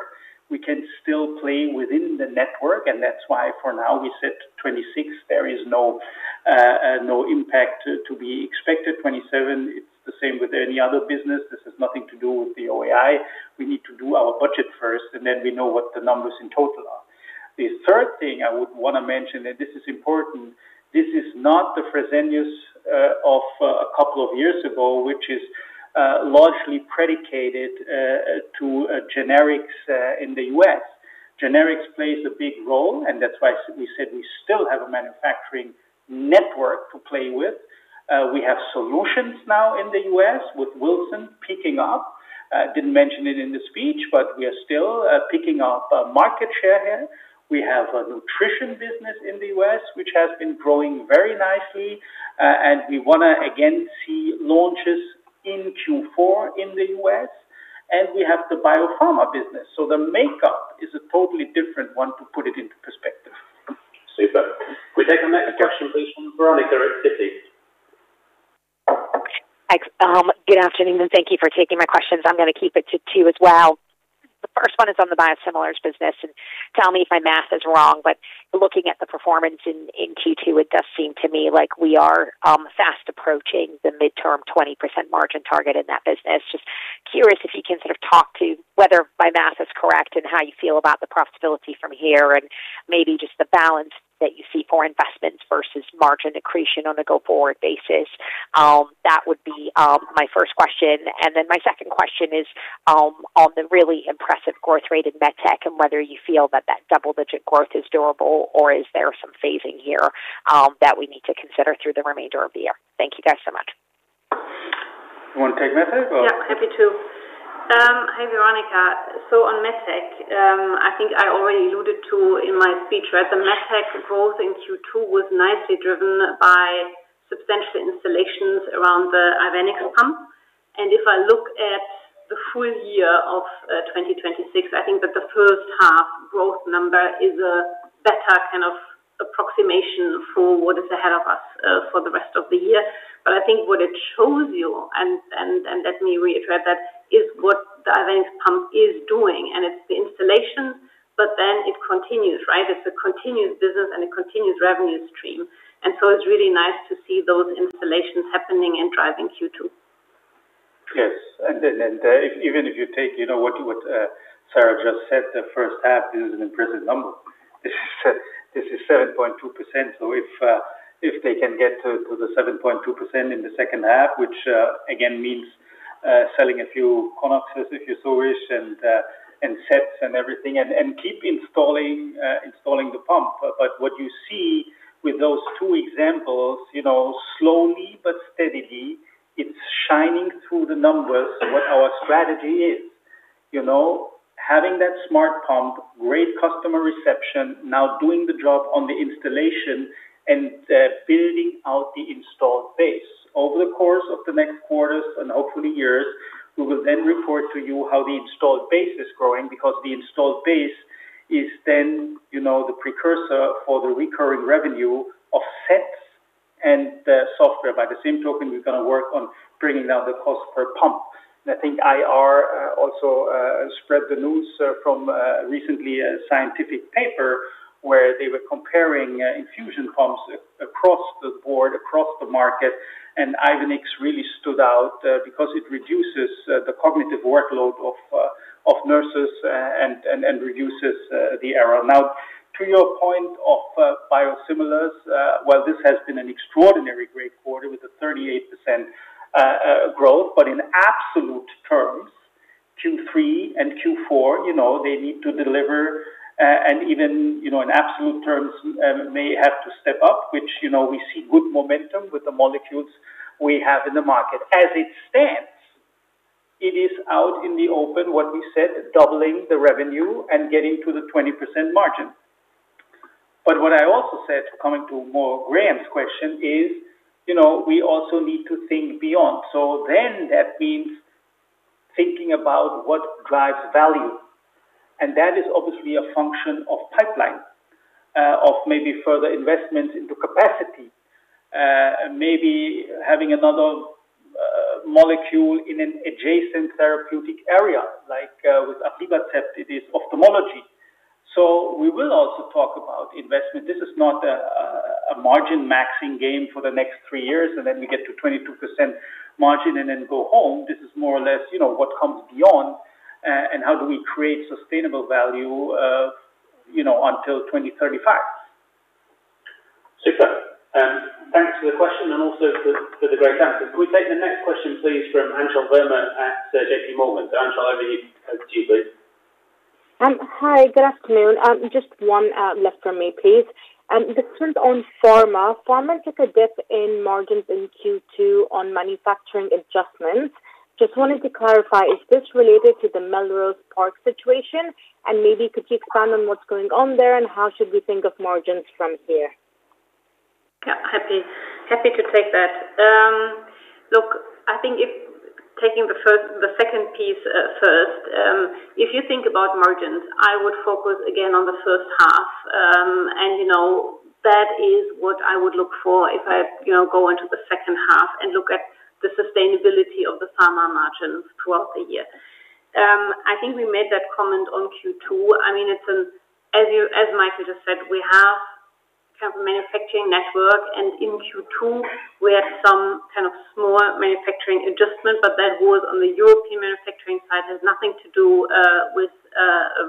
we can still play within the network, and that's why for now we said 2026, there is no impact to be expected. 2027, it's the same with any other business. This has nothing to do with the OAI. We need to do our budget first, and then we know what the numbers in total are. The third thing I would want to mention, and this is important, this is not the Fresenius of a couple of years ago, which is largely predicated to generics in the U.S. Generics plays a big role, and that's why we said we still have a manufacturing network to play with. We have solutions now in the U.S. with Wilson picking up. Didn't mention it in the speech, but we are still picking up market share here. We have a nutrition business in the U.S., which has been growing very nicely. We want to, again, see launches in Q4 in the U.S. We have the Biopharma business. The makeup is a totally different one to put it into perspective. Super. Can we take the next question, please, from Veronika at Citi? Thanks. Good afternoon, and thank you for taking my questions. I'm going to keep it to two as well. The first one is on the biosimilars business, and tell me if my math is wrong, but looking at the performance in Q2, it does seem to me like we are fast approaching the midterm 20% margin target in that business. Just curious if you can sort of talk to whether my math is correct and how you feel about the profitability from here and maybe just the balance that you see for investments versus margin accretion on a go-forward basis. That would be my first question. My second question is on the really impressive growth rate in MedTech and whether you feel that double-digit growth is durable or is there some phasing here that we need to consider through the remainder of the year. Thank you, guys, so much. You want to take MedTech or? Yeah, happy to. Hi, Veronika. On MedTech, I think I already alluded to in my speech that the MedTech growth in Q2 was nicely driven by substantial installations around the Ivenix pump. If I look at the full year of 2026, I think that the first half growth number is a better kind of approximation for what is ahead of us for the rest of the year. I think what it shows you, and let me reiterate that, is what the Ivenix pump is doing, and it's the installation, but then it continues, right? It's a continuous business and a continuous revenue stream. It's really nice to see those installations happening and driving Q2. Yes. Even if you take what Sara just said, the first half is an impressive number. This is 7.2%, if they can get to the 7.2% in the second half, which again means selling a few Conexxence, if you so wish, and sets and everything and keep installing the pump. What you see with those two examples, slowly but steadily, it's shining through the numbers what our strategy is. Having that smart pump, great customer reception, now doing the job on the installation and building out the installed base. Over the course of the next quarters and hopefully years, we will then report to you how the installed base is growing because the installed base is then the precursor for the recurring revenue of sets and the software. By the same token, we're going to work on bringing down the cost per pump. I think IR also spread the news from recently a scientific paper where they were comparing infusion pumps across the board, across the market, and Ivenix really stood out because it reduces the cognitive workload of nurses and reduces the error. Now, to your point of biosimilars, well, this has been an extraordinarily great quarter with a 38% growth. In absolute terms, Q3 and Q4 they need to deliver and even in absolute terms may have to step up, which we see good momentum with the molecules we have in the market. As it stands, it is out in the open what we said, doubling the revenue and getting to the 20% margin. What I also said, coming to more Graham's question is, we also need to think beyond. That means thinking about what drives value, that is obviously a function of pipeline, of maybe further investments into capacity, maybe having another molecule in an adjacent therapeutic area, like with aflibercept, it is ophthalmology. We will also talk about investment. This is not a margin maxing game for the next three years, then we get to 22% margin and then go home. This is more or less what comes beyond and how do we create sustainable value until 2035. Super. Thanks for the question and also for the great answer. Can we take the next question, please, from Anchal Verma at JPMorgan? Anchal, over to you, please. Hi, good afternoon. Just one left from me, please. This one's on pharma. Pharma took a dip in margins in Q2 on manufacturing adjustments. Just wanted to clarify, is this related to the Melrose Park situation? Maybe could you expand on what's going on there and how should we think of margins from here? Happy to take that. Look, I think if taking the second piece first, if you think about margins, I would focus again on the first half. That is what I would look for if I go into the second half and look at the sustainability of the pharma margins throughout the year. I think we made that comment on Q2. As Michael just said, we have a manufacturing network, and in Q2 we had some kind of small manufacturing adjustments, but that was on the European manufacturing side, has nothing to do with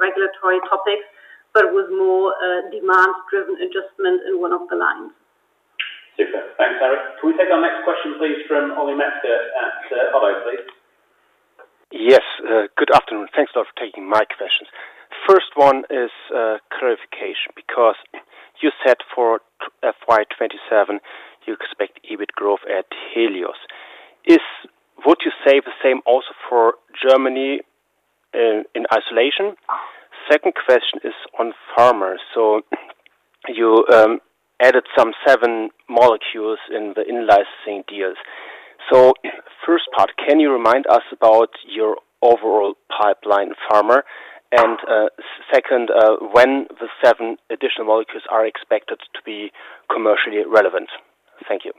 regulatory topics, but was more a demand-driven adjustment in one of the lines. Super. Thanks, Sara. Can we take our next question, please, from Ollie Metzger at ODDO, please? Yes. Good afternoon. Thanks a lot for taking my questions. First one is clarification, because you said for FY 2027, you expect EBIT growth at Helios. Would you say the same also for Germany in isolation? Second question is on pharma. You added some seven molecules in the in-licensing deals. First part, can you remind us about your overall pipeline pharma? Second, when the seven additional molecules are expected to be commercially relevant? Thank you.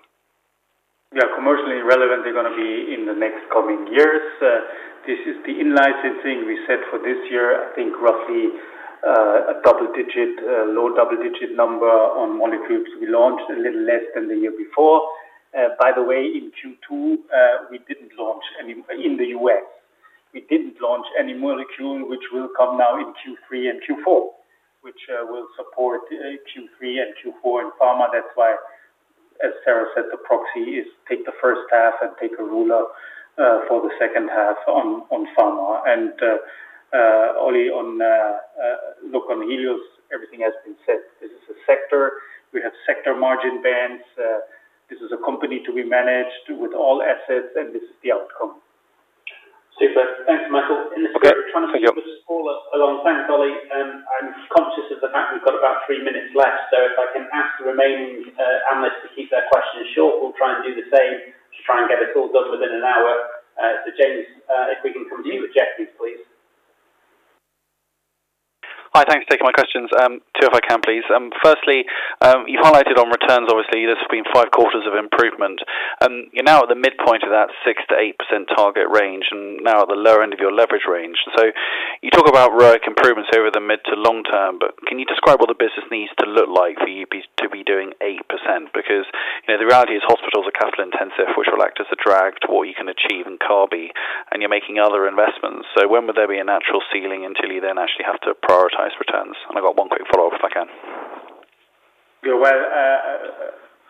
Yeah. Commercially relevant, they're going to be in the next coming years. This is the in-licensing we set for this year. I think roughly a low double-digit number on molecules. We launched a little less than the year before. By the way, in Q2, we didn't launch any in the U.S. We didn't launch any molecule, which will come now in Q3 and Q4, which will support Q3 and Q4 in pharma. That's why, as Sara said, the proxy is take the first half and take a ruler for the second half on pharma. Ollie, look, on Helios, everything has been said. This is a sector. We have sector margin bands. This is a company to be managed with all assets, and this is the outcome. Super. Thanks, Michael. Okay. Thank you. In the spirit of trying to keep this call along. Thanks, Ollie. I am conscious of the fact we've got about three minutes left. If I can ask the remaining analysts to keep their questions short. We'll try and do the same to try and get this all done within an hour. James, if we can come to you with Jefferies, please. Hi. Thanks for taking my questions. Two, if I can, please. Firstly, you've highlighted on returns, obviously, there's been five quarters of improvement. You're now at the midpoint of that 6%-8% target range and now at the lower end of your leverage range. You talk about ROIC improvements over the mid to long term, but can you describe what the business needs to look like for you to be doing 8%? Because, the reality is hospitals are capital intensive, which will act as a drag to what you can achieve in Kabi, and you're making other investments. When would there be a natural ceiling until you then actually have to prioritize returns? I've got one quick follow-up if I can. Well,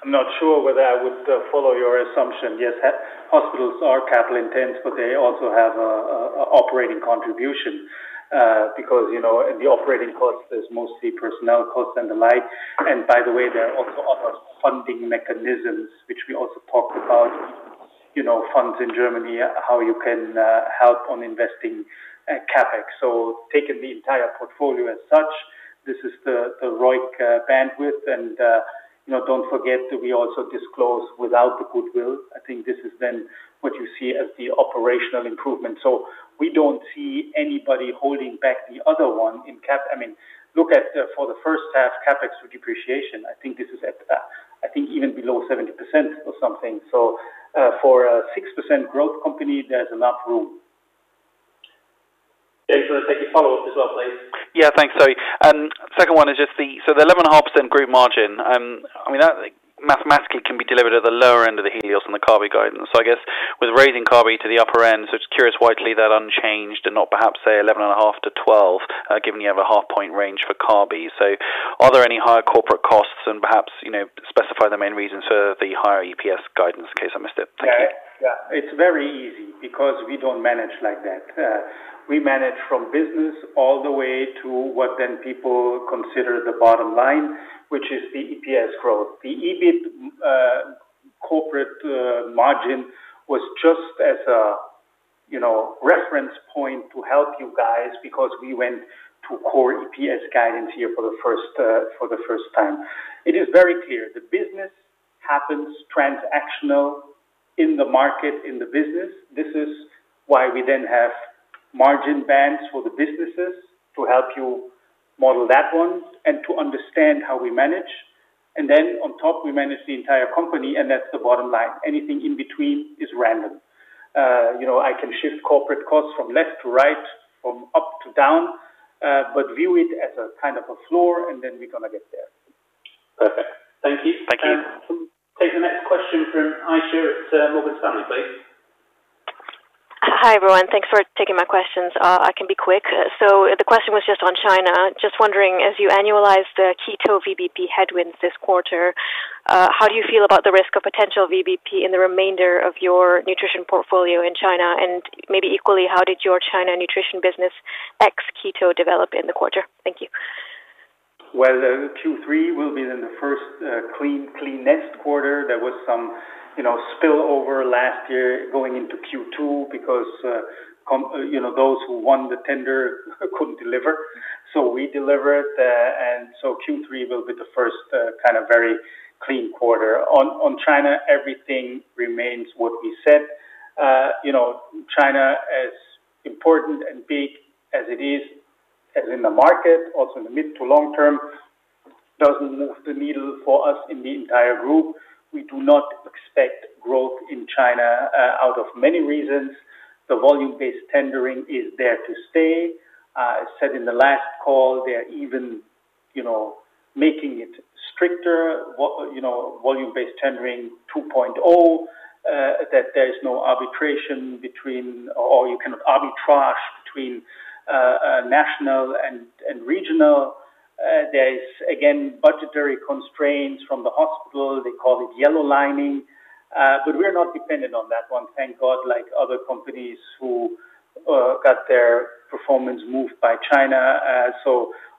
I'm not sure whether I would follow your assumption. Yes, hospitals are capital intense, but they also have an operating contribution, because the operating cost is mostly personnel costs and the like. By the way, there are also other funding mechanisms which we also talked about, funds in Germany, how you can help on investing CapEx. Taking the entire portfolio as such, this is the ROIC bandwidth. Don't forget that we also disclose without the goodwill. This is then what you see as the operational improvement. We don't see anybody holding back the other one in Cap. Look at for the first half, CapEx to depreciation, this is at even below 70% or something. For a 6% growth company, there is enough room. James, we'll take your follow-up as well, please. Thanks. Sorry. Second one is just the 11.5% group margin. That mathematically can be delivered at the lower end of the Helios and the Kabi guidance. I guess with raising Kabi to the upper end, just curious why you leave that unchanged and not perhaps say 11.5%-12%, given you have 0.5 Point range for Kabi. Are there any higher corporate costs and perhaps, specify the main reasons for the higher EPS guidance in case I missed it. Thank you. It's very easy because we don't manage like that. We manage from business all the way to what then people consider the bottom line, which is the EPS growth. The EBIT corporate margin was just as a reference point to help you guys because we went to core EPS guidance here for the first time. It is very clear. The business happens transactionally in the market, in the business. This is why we then have margin bands for the businesses to help you model that one and to understand how we manage. Then on top, we manage the entire company, that's the bottom line. Anything in between is random. I can shift corporate costs from left to right, from up to down, but view it as a kind of a floor, then we're going to get there. Perfect. Thank you. Thank you. Take the next question from Aisyah at Morgan Stanley, please. Hi, everyone. Thanks for taking my questions. I can be quick. The question was just on China. Just wondering, as you annualize the Keto VBP headwinds this quarter, how do you feel about the risk of potential VBP in the remainder of your nutrition portfolio in China? Maybe equally, how did your China nutrition business ex Keto develop in the quarter? Thank you. Q3 will be then the first clean net quarter. There was some spillover last year going into Q2 because those who won the tender couldn't deliver, so we delivered. Q3 will be the first very clean quarter. On China, everything remains what we said. China, as important and big as it is as in the market, also in the mid to long term, doesn't move the needle for us in the entire group. We do not expect growth in China, out of many reasons. The volume-based tendering is there to stay. I said in the last call, they're even making it stricter. Volume-based tendering 2.0, that you cannot arbitrage between national and regional. There is, again, budgetary constraints from the hospital. They call it yellow lining. We're not dependent on that one, thank God, like other companies who got their performance moved by China.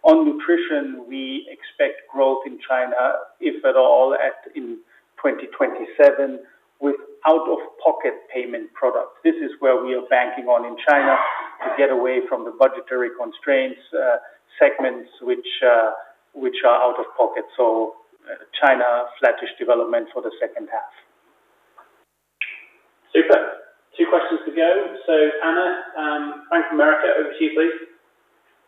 On nutrition, we expect growth in China, if at all, in 2027 with out-of-pocket payment products. This is where we are banking on in China to get away from the budgetary constraints segments which are out of pocket. China, flattish development for the second half. Super. Two questions to go. Anna from Bank of America, over to you, please.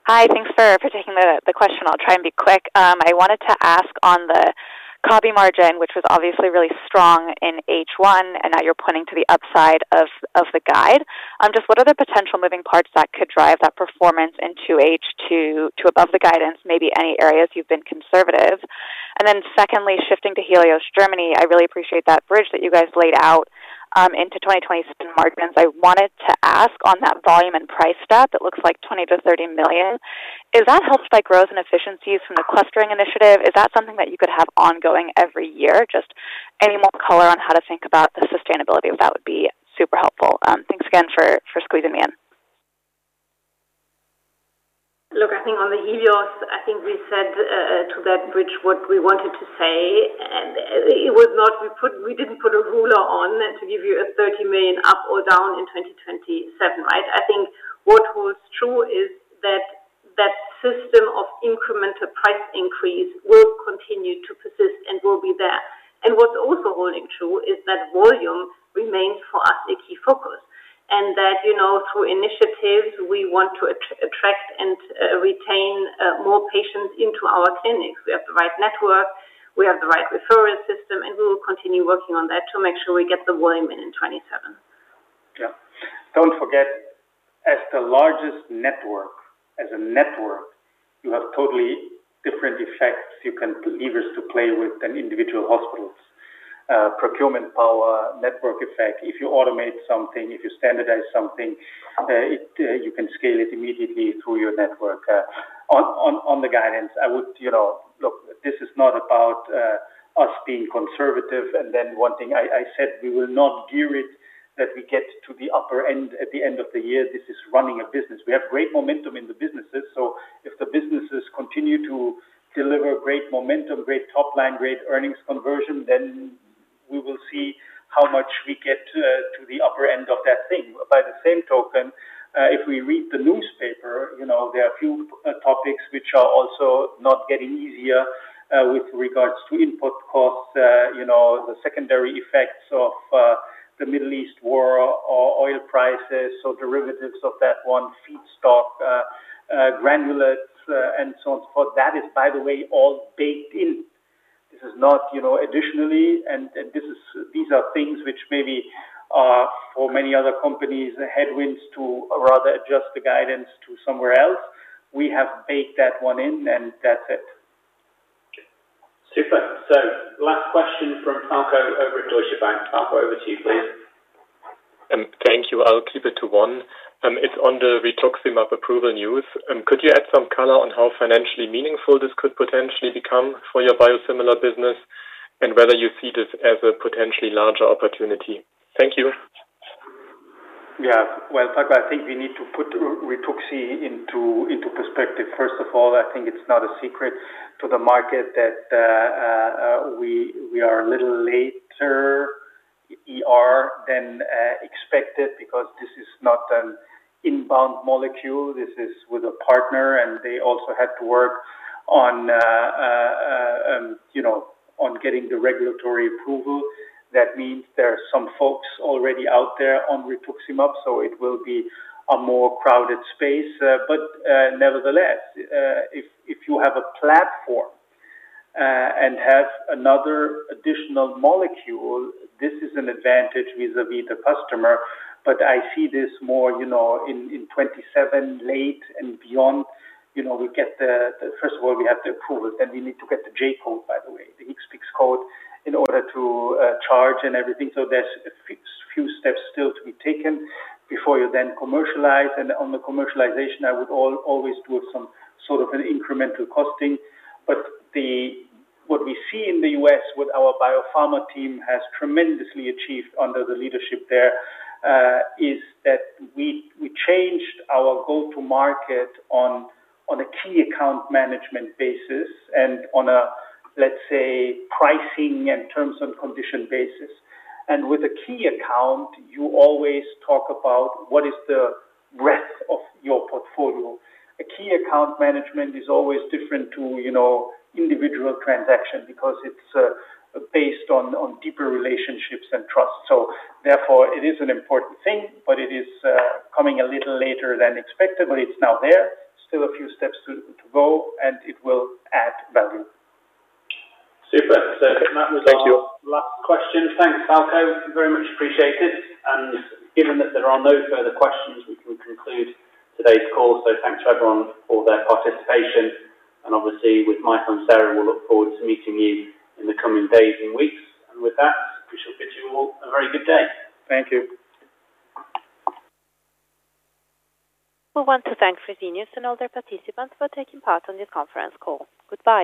Hi, thanks for taking the question. I'll try and be quick. I wanted to ask on the Kabi margin, which was obviously really strong in H1, and now you're pointing to the upside of the guide. Just what are the potential moving parts that could drive that performance into H2 to above the guidance, maybe any areas you've been conservative? Secondly, shifting to Helios Germany, I really appreciate that bridge that you guys laid out into 2026 margins. I wanted to ask on that volume and price step, it looks like 20 million-30 million. Is that helped by growth and efficiencies from the clustering initiative? Is that something that you could have ongoing every year? Just any more color on how to think about the sustainability of that would be super helpful. Thanks again for squeezing me in. I think on the Helios, I think we said to that bridge what we wanted to say. We didn't put a ruler on to give you a 30 million up or down in 2027, right? I think what holds true is that that system of incremental price increase will continue to persist and will be there. What's also holding true is that volume remains, for us, a key focus. That through initiatives, we want to attract and retain more patients into our clinics. We have the right network, we have the right referral system, and we will continue working on that to make sure we get the volume in in 2027. Yeah. Don't forget, as the largest network, as a network, you have totally different effects, different levers to play with than individual hospitals. Procurement power, network effect. If you automate something, if you standardize something, you can scale it immediately through your network. On the guidance, this is not about us being conservative. One thing I said, we will not gear it that we get to the upper end at the end of the year. This is running a business. We have great momentum in the businesses. If the businesses continue to deliver great momentum, great top line, great earnings conversion, we will see how much we get to the upper end of that thing. By the same token, if we read the newspaper, there are a few topics which are also not getting easier with regards to input costs, the secondary effects of the Middle East war, oil prices. Derivatives of that one, feedstock, granulates, and so on and so forth. That is, by the way, all baked in. This is not additionally, these are things which maybe are for many other companies, headwinds to rather adjust the guidance to somewhere else. We have baked that one in, and that's it. Super. Last question from Falko over at Deutsche Bank. Falko, over to you, please. Thank you. I'll keep it to one. It's on the Rituximab approval news. Could you add some color on how financially meaningful this could potentially become for your biosimilar business, and whether you see this as a potentially larger opportunity? Thank you. Yeah. Well, Falko, I think we need to put Rituxi into perspective. First of all, I think it's not a secret to the market that we are a little later ER than expected because this is not an inbound molecule. This is with a partner, and they also had to work on getting the regulatory approval. Nevertheless, there are some folks already out there on Rituximab, so it will be a more crowded space. If you have a platform and have another additional molecule, this is an advantage vis-à-vis the customer. I see this more in 2027 late and beyond. First of all, we have the approval, then we need to get the J-code, by the way, the HCPCS code in order to charge and everything. There's a few steps still to be taken before you then commercialize, and on the commercialization, I would always do some sort of an incremental costing. What we see in the U.S. with our biopharma team has tremendously achieved under the leadership there, is that we changed our go-to market on a key account management basis and on a, let's say, pricing and terms and condition basis. With a key account, you always talk about what is the breadth of your portfolio. A key account management is always different to individual transaction because it's based on deeper relationships and trust. Therefore, it is an important thing, but it is coming a little later than expected, it's now there. Still a few steps to go, and it will add value. Super. Thank you Last question. Thanks, Falko. Very much appreciated. Given that there are no further questions, we can conclude today's call. Thanks to everyone for their participation. Obviously, with Mike and Sara, we'll look forward to meeting you in the coming days and weeks. With that, wish you all a very good day. Thank you. We want to thank Fresenius and all their participants for taking part in this conference call. Goodbye.